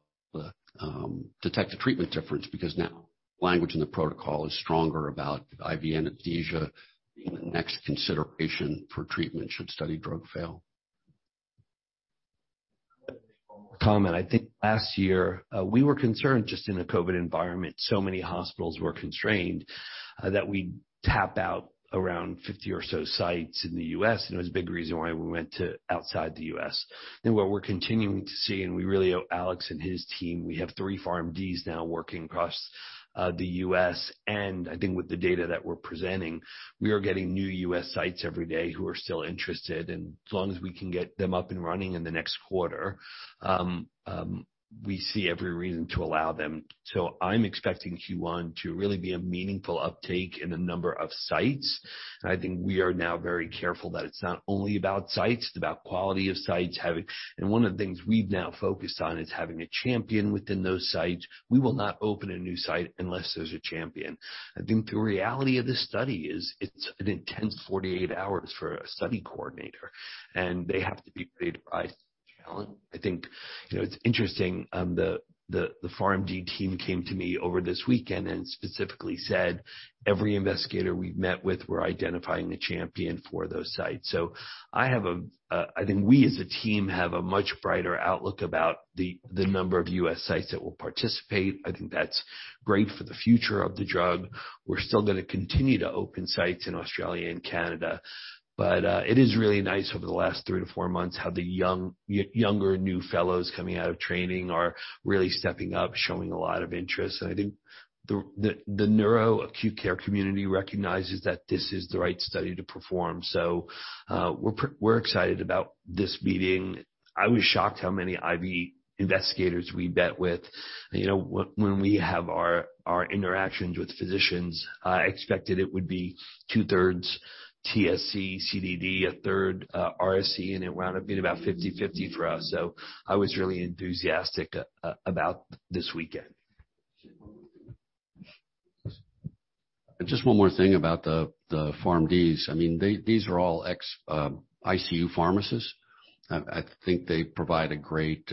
detect the treatment difference because now language in the protocol is stronger about IV anesthesia. The next consideration for treatment should study drug fail. Comment. I think last year, we were concerned just in a COVID environment, so many hospitals were constrained, that we tap out around 50 or so sites in the U.S., and it was a big reason why we went to outside the U.S. What we're continuing to see, and we really owe Alex and his team. We have three PharmDs now working across the U.S., and I think with the data that we're presenting, we are getting new U.S. sites every day who are still interested. As long as we can get them up and running in the next quarter, we see every reason to allow them. I'm expecting Q1 to really be a meaningful uptake in the number of sites. I think we are now very careful that it's not only about sites, it's about quality of sites. One of the things we've now focused on is having a champion within those sites. We will not open a new site unless there's a champion. I think the reality of this study is it's an intense 48 hours for a study coordinator, and they have to be paid by challenge. I think, you know, it's interesting, the PharmD team came to me over this weekend and specifically said, "Every investigator we've met with, we're identifying a champion for those sites." I think we as a team have a much brighter outlook about the number of U.S. sites that will participate. I think that's great for the future of the drug. We're still gonna continue to open sites in Australia and Canada. It is really nice over the last three to four months how the younger new fellows coming out of training are really stepping up, showing a lot of interest. I think the neuro-acute care community recognizes that this is the right study to perform, so we're excited about this meeting. I was shocked how many IV investigators we met with. You know, when we have our interactions with physicians, I expected it would be two-thirds TSC, CDD, a third RSE, and it wound up being about 50/50 for us, so I was really enthusiastic about this weekend. Just one more thing about the PharmDs. I mean, these are all ex-ICU pharmacists. I think they provide a great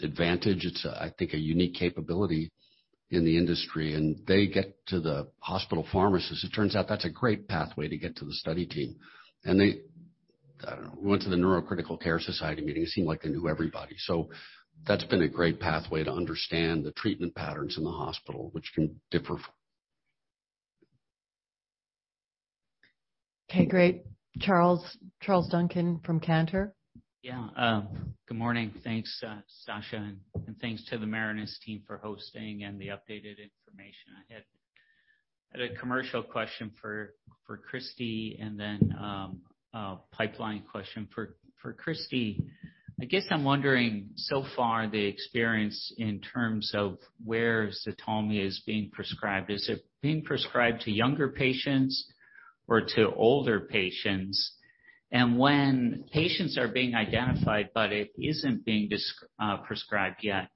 advantage. It's I think a unique capability in the industry, and they get to the hospital pharmacist. It turns out that's a great pathway to get to the study team. I don't know. We went to the Neurocritical Care Society meeting. It seemed like they knew everybody. That's been a great pathway to understand the treatment patterns in the hospital, which can differ. Okay, great. Charles Duncan from Cantor. Good morning. Thanks, Sasha, and thanks to the Marinus team for hosting and the updated information. I had a commercial question for Christy and then a pipeline question. For Christy, I guess I'm wondering, so far the experience in terms of where ZTALMY is being prescribed. Is it being prescribed to younger patients or to older patients? When patients are being identified, but it isn't being prescribed yet,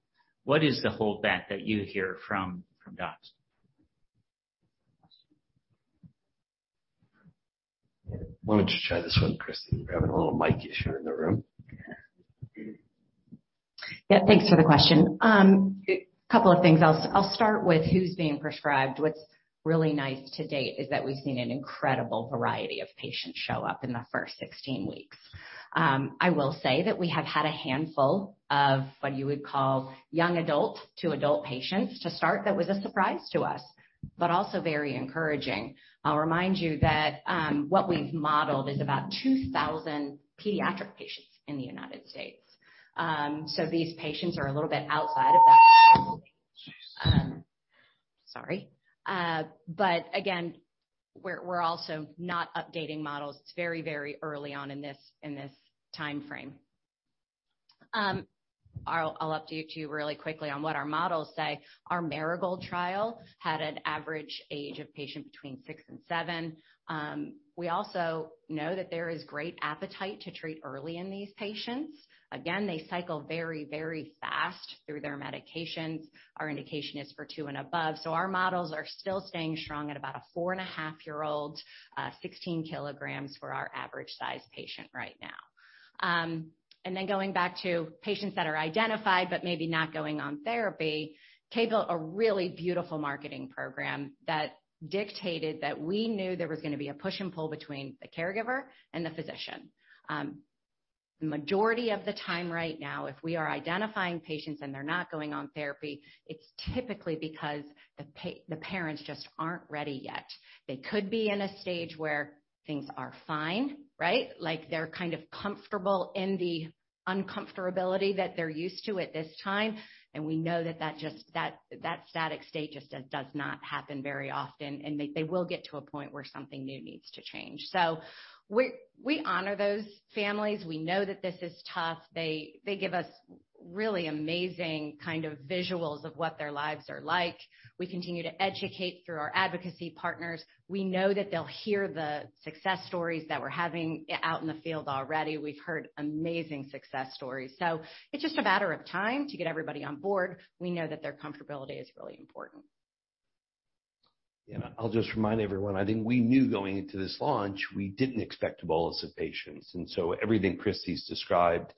what is the holdback that you hear from docs? Why don't you try this one, Christy? We're having a little mic issue in the room. Thanks for the question. A couple of things. I'll start with who's being prescribed. What's really nice to date is that we've seen an incredible variety of patients show up in the first 16 weeks. I will say that we have had a handful of what you would call young adult to adult patients to start. That was a surprise to us, also very encouraging. I'll remind you that what we've modeled is about 2,000 pediatric patients in the United States. These patients are a little bit outside of that sorry. Again, we're also not updating models. It's very, very early on in this, in this timeframe. I'll update you really quickly on what our models say. Our Marigold trial had an average age of patient between six and seven. We also know that there is great appetite to treat early in these patients. Again, they cycle very, very fast through their medications. Our indication is for two and above. Our models are still staying strong at about a four-and-a-half year old, 16 kilograms for our average size patient right now. Going back to patients that are identified but maybe not going on therapy. Kay built a really beautiful marketing program that dictated that we knew there was going to be a push and pull between the caregiver and the physician. The majority of the time right now, if we are identifying patients and they're not going on therapy, it's typically because the parents just aren't ready yet. They could be in a stage where things are fine, right? Like, they're kind of comfortable in the uncomfortability that they're used to at this time. We know that just that static state just does not happen very often. They will get to a point where something new needs to change. We honor those families. We know that this is tough. They give us really amazing kind of visuals of what their lives are like. We continue to educate through our advocacy partners. We know that they'll hear the success stories that we're having out in the field already. We've heard amazing success stories. It's just a matter of time to get everybody on board. We know that their comfortability is really important. You know, I'll just remind everyone, I think we knew going into this launch we didn't expect bolus of patients. Everything Christy's described,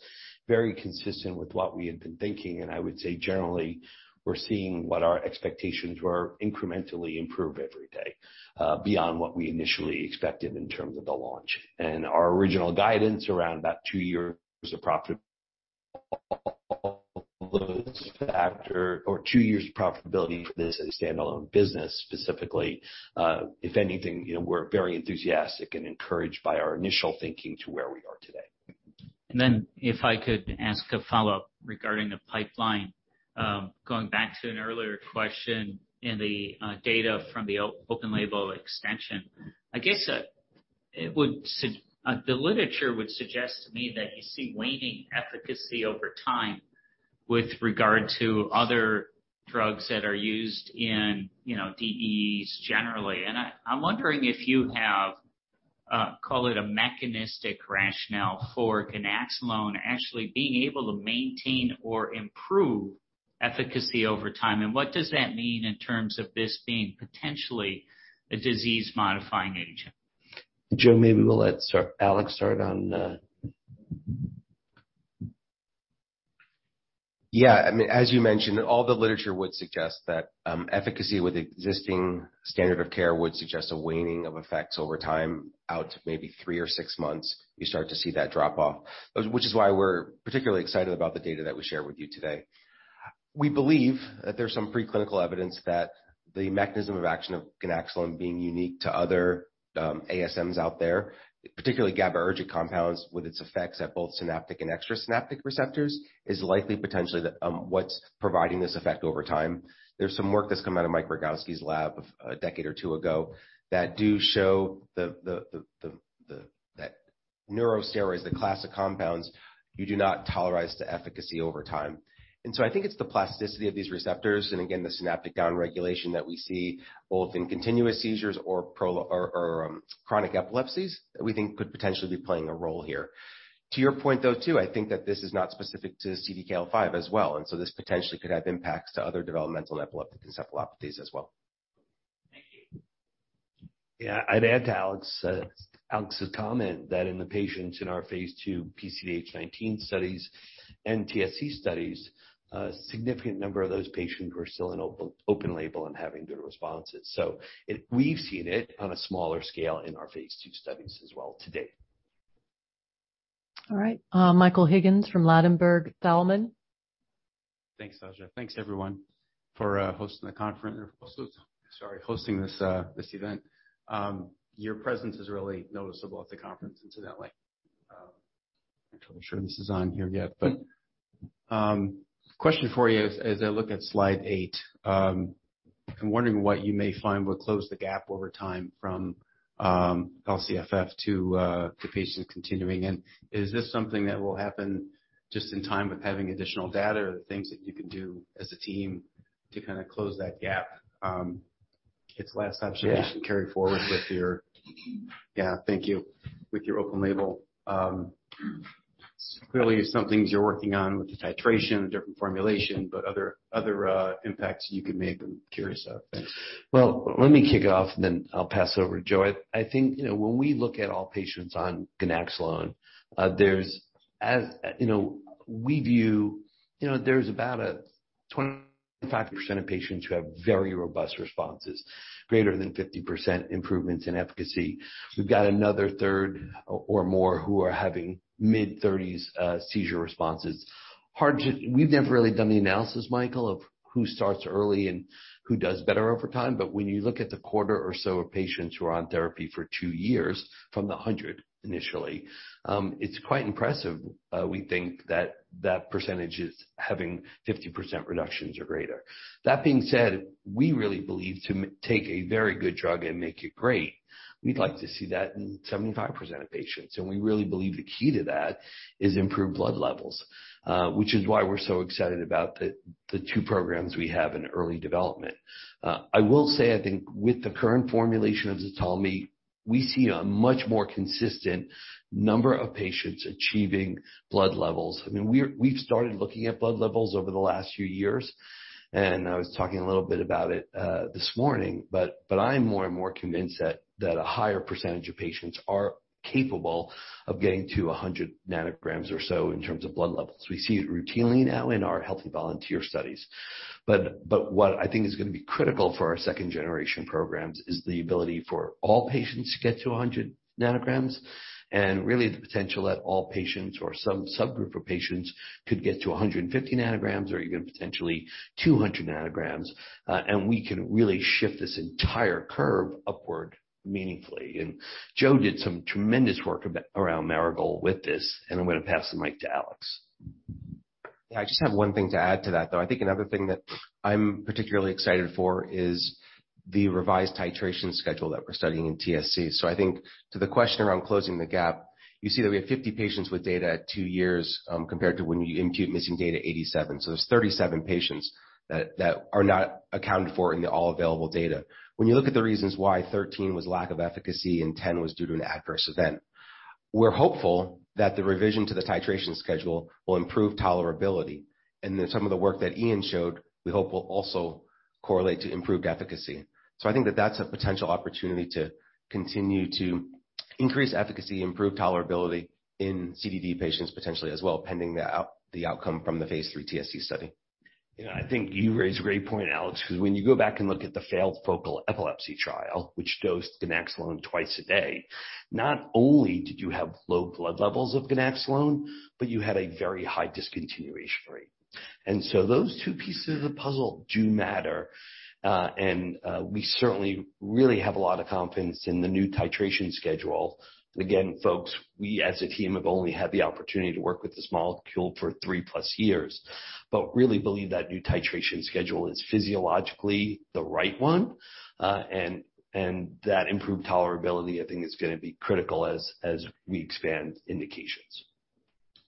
very consistent with what we had been thinking. I would say generally, we're seeing what our expectations were incrementally improve every day, beyond what we initially expected in terms of the launch. Our original guidance around about two years of profit after or two years profitability for this as a standalone business specifically. If anything, you know, we're very enthusiastic and encouraged by our initial thinking to where we are today. If I could ask a follow-up regarding the pipeline. Going back to an earlier question in the data from the open label extension. I guess, the literature would suggest to me that you see waning efficacy over time with regard to other drugs that are used in, you know, DEEs generally. I'm wondering if you have, call it a mechanistic rationale for ganaxolone actually being able to maintain or improve efficacy over time, and what does that mean in terms of this being potentially a disease-modifying agent? Joe, maybe we'll let Sir Alex start on the- Yeah. I mean, as you mentioned, all the literature would suggest that efficacy with existing standard of care would suggest a waning of effects over time out to maybe three or six months, you start to see that drop off. We're particularly excited about the data that we shared with you today. We believe that there's some preclinical evidence that the mechanism of action of ganaxolone being unique to other ASMs out there, particularly GABAergic compounds with its effects at both synaptic and extrasynaptic receptors, is likely potentially what's providing this effect over time. There's some work that's come out of Michael Rogawski's lab a decade or two ago that do show that neurosteroids, the classic compounds, you do not tolerize to efficacy over time. I think it's the plasticity of these receptors, and again, the synaptic downregulation that we see both in continuous seizures or chronic epilepsies, that we think could potentially be playing a role here. To your point, though, too, I think that this is not specific to CDKL5 as well, this potentially could have impacts to other Developmental Epileptic Encephalopathies as well. Thank you. Yeah. I'd add to Alex's comment that in the patients in our phase II PCDH19 studies and TSC studies, a significant number of those patients were still in open label and having good responses. We've seen it on a smaller scale in our phase II studies as well to date. All right. Michael Higgins from Ladenburg Thalmann. Thanks, Sasha. Thanks, everyone for, hosting the conference. Sorry, hosting this event. Your presence is really noticeable at the conference, incidentally. Not totally sure this is on here yet, but, question for you is as I look at slide eight8, I'm wondering what you may find will close the gap over time from LCFF to patients continuing? Is this something that will happen just in time with having additional data or the things that you can do as a team to kinda close that gap? It's Last Observation Carried Forward with your, yeah, thank you. With your open label. Clearly some things you're working on with the titration or different formulation, but other impacts you could make, I'm curious of. Thanks. Well, let me kick off and then I'll pass over to Joe. I think, you know, when we look at all patients on ganaxolone, you know, there's about a 25% of patients who have very robust responses, greater than 50% improvements in efficacy. We've got another third or more who are having mid-30s seizure responses. We've never really done the analysis, Michael, of who starts early and who does better over time, but when you look at the quarter or so of patients who are on therapy for two years from the 100 initially, it's quite impressive, we think that that percentage is having 50% reductions or greater. That being said, we really believe to take a very good drug and make it great, we'd like to see that in 75% of patients. We really believe the key to that is improved blood levels, which is why we're so excited about the two programs we have in early development. I will say, I think with the current formulation of ZTALMY, we see a much more consistent number of patients achieving blood levels. I mean, we've started looking at blood levels over the last few years, and I was talking a little bit about it this morning. I'm more and more convinced that a higher percentage of patients are capable of getting to 100 ng or so in terms of blood levels. We see it routinely now in our healthy volunteer studies. What I think is gonna be critical for our second generation programs is the ability for all patients to get to 100 ng, and really the potential that all patients or some subgroup of patients could get to 150 ng or even potentially 200 ng, and we can really shift this entire curve upward meaningfully. Joe did some tremendous work around Marigold with this. I'm gonna pass the mic to Alex Aimetti. I just have one thing to add to that, though. I think another thing that I'm particularly excited for is the revised titration schedule that we're studying in TSC. I think to the question around closing the gap, you see that we have 50 patients with data at two years, compared to when you impute missing data, 87. There's 37 patients that are not accounted for in the all available data. When you look at the reasons why 13 was lack of efficacy and 10 was due to an adverse event. We're hopeful that the revision to the titration schedule will improve tolerability. Then some of the work that Ian showed, we hope will also correlate to improved efficacy. I think that that's a potential opportunity to continue to increase efficacy, improve tolerability in CDD patients potentially as well, pending the outcome from the phase III TSC study. Yeah, I think you raise a great point, Alex, 'cause when you go back and look at the failed focal epilepsy trial, which dosed ganaxolone twice a day. Not only did you have low blood levels of ganaxolone, but you had a very high discontinuation rate. Those two pieces of the puzzle do matter. And we certainly really have a lot of confidence in the new titration schedule. Folks, we as a team have only had the opportunity to work with this molecule for 3+ years, but really believe that new titration schedule is physiologically the right one. And that improved tolerability, I think is gonna be critical as we expand indications.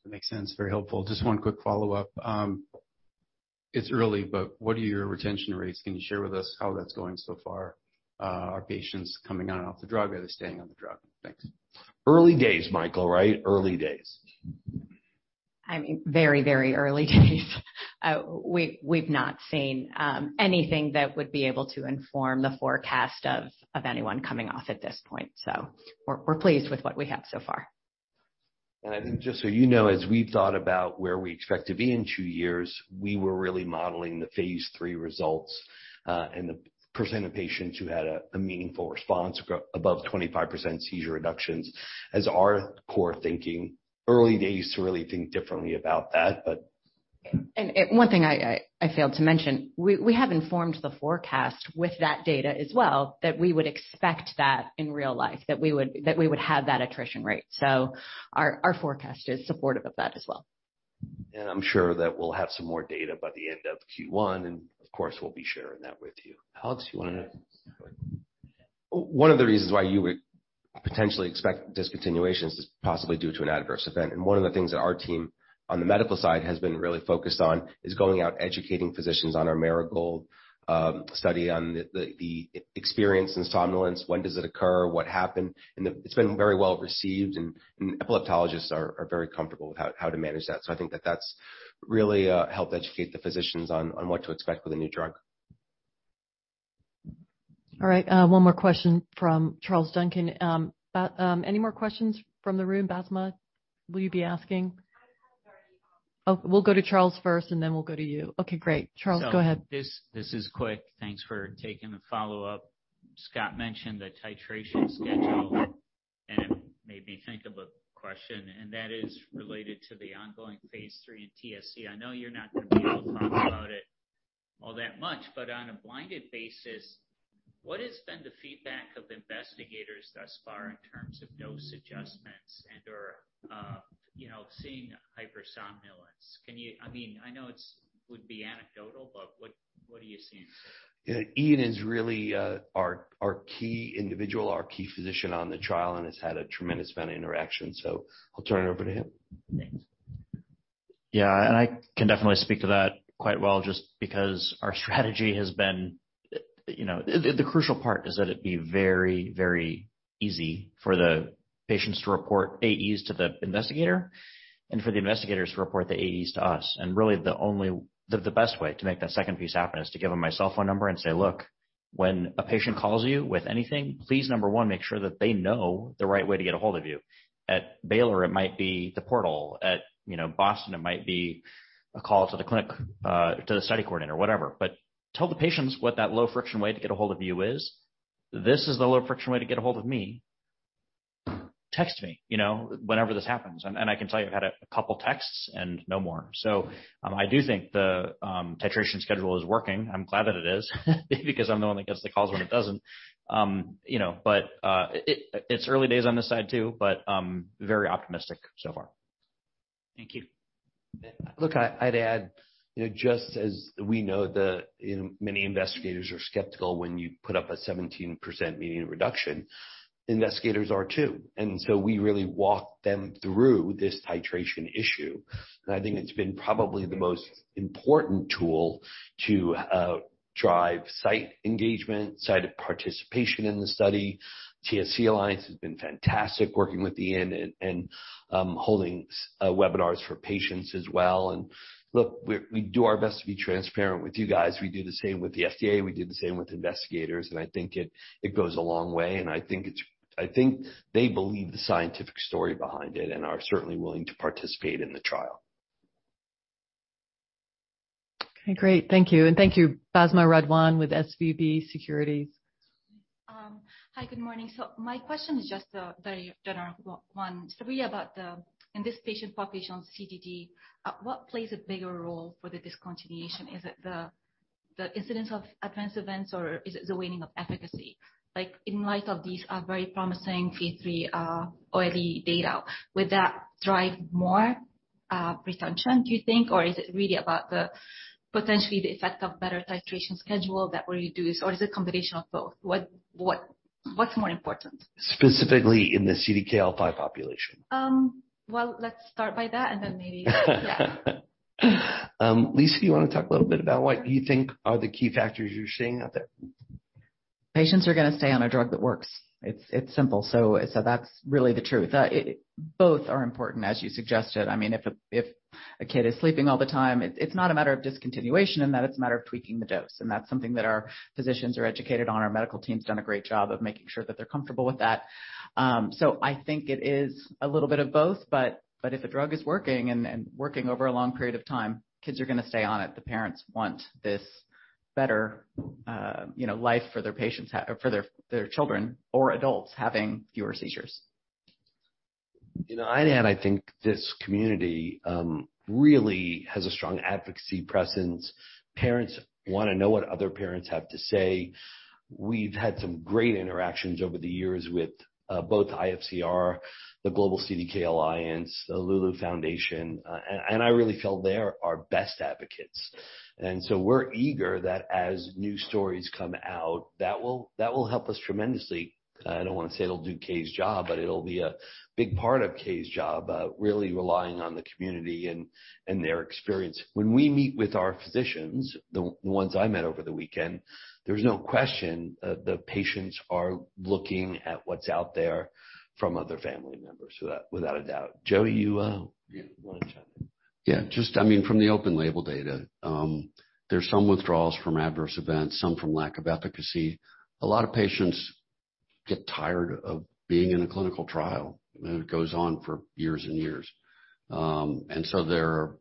That makes sense. Very helpful. Just one quick follow-up. It's early, what are your retention rates? Can you share with us how that's going so far? Are patients coming on and off the drug? Are they staying on the drug? Thanks. Early days, Michael, right? Early days. I mean, very, very early days. We've not seen anything that would be able to inform the forecast of anyone coming off at this point. We're pleased with what we have so far. I think just so you know, as we've thought about where we expect to be in two years, we were really modeling the phase III results, and the percent of patients who had a meaningful response above 25% seizure reductions as our core thinking. Early days to really think differently about that, but- One thing I failed to mention, we have informed the forecast with that data as well, that we would expect that in real life. That we would have that attrition rate. Our forecast is supportive of that as well. I'm sure that we'll have some more data by the end of Q1, and of course we'll be sharing that with you. Alex, you wanna- One of the reasons why you would potentially expect discontinuations is possibly due to an adverse event. One of the things that our team on the medical side has been really focused on is going out educating physicians on our Marigold study on the experience in somnolence, when does it occur, what happened? It's been very well-received and epileptologists are very comfortable with how to manage that. I think that that's really helped educate the physicians on what to expect with a new drug. All right, one more question from Charles Duncan. Any more questions from the room? Basma, will you be asking? I have already. Oh, we'll go to Charles first, and then we'll go to you. Okay, great. Charles, go ahead. This is quick. Thanks for taking the follow-up. Scott mentioned the titration schedule, and it made me think of a question, and that is related to the ongoing phase III in TSC. I know you're not going to be able to talk about it all that much, but on a blinded basis, what has been the feedback of investigators thus far in terms of dose adjustments and/or, you know, seeing hypersomnolence? Can you? I mean, I know it would be anecdotal, but what are you seeing? Yeah. Ian is really, our key individual, our key physician on the trial and has had a tremendous amount of interaction, I'll turn it over to him. Thanks. Yeah. I can definitely speak to that quite well just because our strategy has been, you know. the crucial part is that it'd be very, very easy for the patients to report AEs to the investigator and for the investigators to report the AEs to us. Really, the best way to make that second piece happen is to give them my cell phone number and say, "Look, when a patient calls you with anything, please, number one, make sure that they know the right way to get a hold of you. At Baylor, it might be the portal. At, you know, Boston, it might be a call to the clinic, to the study coordinator, whatever. Tell the patients what that low-friction way to get a hold of you is. This is the low-friction way to get a hold of me. Text me, you know, whenever this happens." I can tell you, I've had a couple texts and no more. I do think the titration schedule is working. I'm glad that it is because I'm the one that gets the calls when it doesn't. You know, but it's early days on this side too, but very optimistic so far. Thank you. Look, I'd add, you know, just as we know the, you know, many investigators are skeptical when you put up a 17% median reduction, investigators are too. We really walk them through this titration issue. I think it's been probably the most important tool to drive site engagement, site participation in the study, TSC Alliance has been fantastic working with Ian and holding webinars for patients as well. Look, we do our best to be transparent with you guys. We do the same with the FDA. We do the same with investigators. I think it goes a long way, and I think they believe the scientific story behind it and are certainly willing to participate in the trial. Okay, great. Thank you. Thank you. Basma Radwan with SVB Securities. Hi, good morning. My question is just a very general one. Really about the, in this patient population, CDD, what plays a bigger role for the discontinuation? Is it the incidence of adverse events, or is it the waning of efficacy? In light of these, very promising phase III, early data, would that drive more retention, do you think? Or is it really about the potentially the effect of better titration schedule that where you do this? Or is it a combination of both? What's more important? Specifically in the CDKL5 population? Well, let's start by that. Lisa, you wanna talk a little bit about what you think are the key factors you're seeing out there? Patients are gonna stay on a drug that works. It's simple. That's really the truth. Both are important, as you suggested. I mean, if a kid is sleeping all the time, it's not a matter of discontinuation, in that it's a matter of tweaking the dose, and that's something that our physicians are educated on. Our medical team's done a great job of making sure that they're comfortable with that. I think it is a little bit of both, but if a drug is working and working over a long period of time, kids are gonna stay on it. The parents want this better, you know, life for their children or adults having fewer seizures. You know, I think this community really has a strong advocacy presence. Parents wanna know what other parents have to say. We've had some great interactions over the years with both IFCR, the Global CDKL5 Alliance, the Loulou Foundation. I really feel they're our best advocates. We're eager that as new stories come out, that will help us tremendously. I don't wanna say it'll do Kaye's job, but it'll be a big part of Kaye's job, really relying on the community and their experience. When we meet with our physicians, the ones I met over the weekend, there's no question that patients are looking at what's out there from other family members. That, without a doubt. Joey, you wanna chime in? Yeah. Just, I mean, from the open label data, there's some withdrawals from adverse events, some from lack of efficacy. A lot of patients get tired of being in a clinical trial, and it goes on for years and years. There are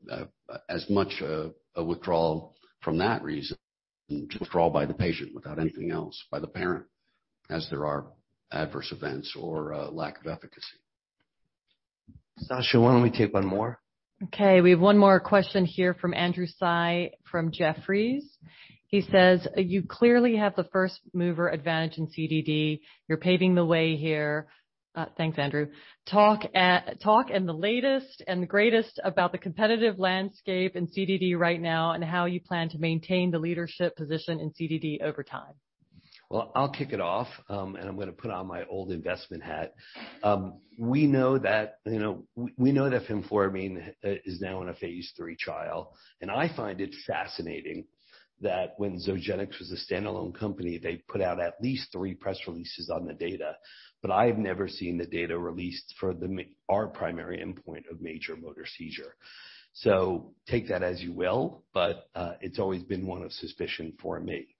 as much a withdrawal from that reason, withdrawal by the patient without anything else, by the parent, as there are adverse events or lack of efficacy. Sasha, why don't we take one more? We have one more question here from Andrew Tsai from Jefferies. He says, "You clearly have the first mover advantage in CDD. You're paving the way here." Thanks, Andrew. "Talk in the latest and greatest about the competitive landscape in CDD right now and how you plan to maintain the leadership position in CDD over time. Well, I'll kick it off, I'm gonna put on my old investment hat. We know that, you know, we know that fenfluramine is now in a phase III trial. I find it fascinating that when Zogenix was a standalone company, they put out at least three press releases on the data. I've never seen the data released for our primary endpoint of major motor seizure. Take that as you will, it's always been one of suspicion for me.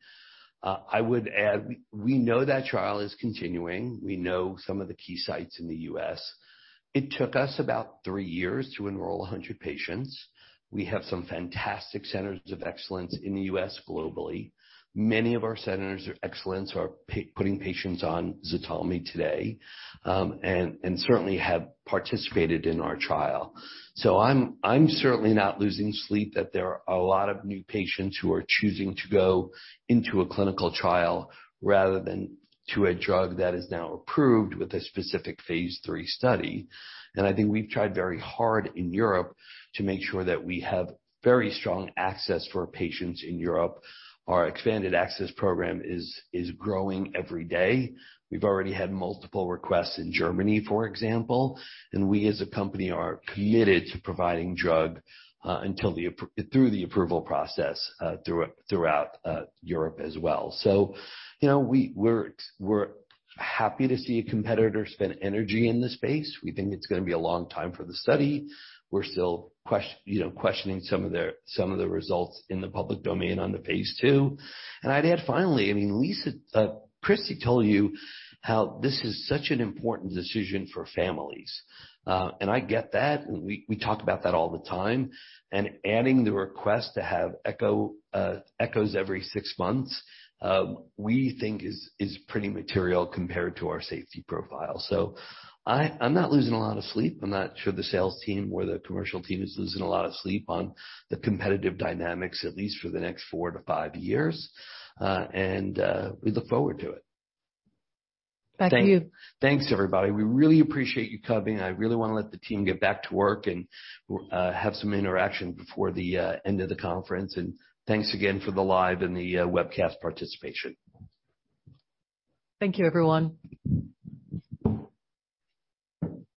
I would add, we know that trial is continuing. We know some of the key sites in the U.S. It took us about three years to enroll 100 patients. We have some fantastic centers of excellence in the U.S. globally. Many of our centers of excellence are putting patients on ZTALMY today, and certainly have participated in our trial. I'm certainly not losing sleep that there are a lot of new patients who are choosing to go into a clinical trial rather than to a drug that is now approved with a specific phase III study. I think we've tried very hard in Europe to make sure that we have very strong access for patients in Europe. Our expanded access program is growing every day. We've already had multiple requests in Germany, for example, and we as a company are committed to providing drug through the approval process throughout Europe as well. you know, we're happy to see a competitor spend energy in the space. We think it's gonna be a long time for the study. We're still you know, questioning some of the results in the public domain on the phase II. I'd add finally, I mean, Christy told you how this is such an important decision for families. I get that, we talk about that all the time. Adding the request to have echoes every six months, we think is pretty material compared to our safety profile. I'm not losing a lot of sleep. I'm not sure the sales team or the commercial team is losing a lot of sleep on the competitive dynamics, at least for the next four to five years. We look forward to it. Back to you. Thanks, everybody. We really appreciate you coming. I really wanna let the team get back to work and have some interaction before the end of the conference. Thanks again for the live and the webcast participation. Thank you, everyone.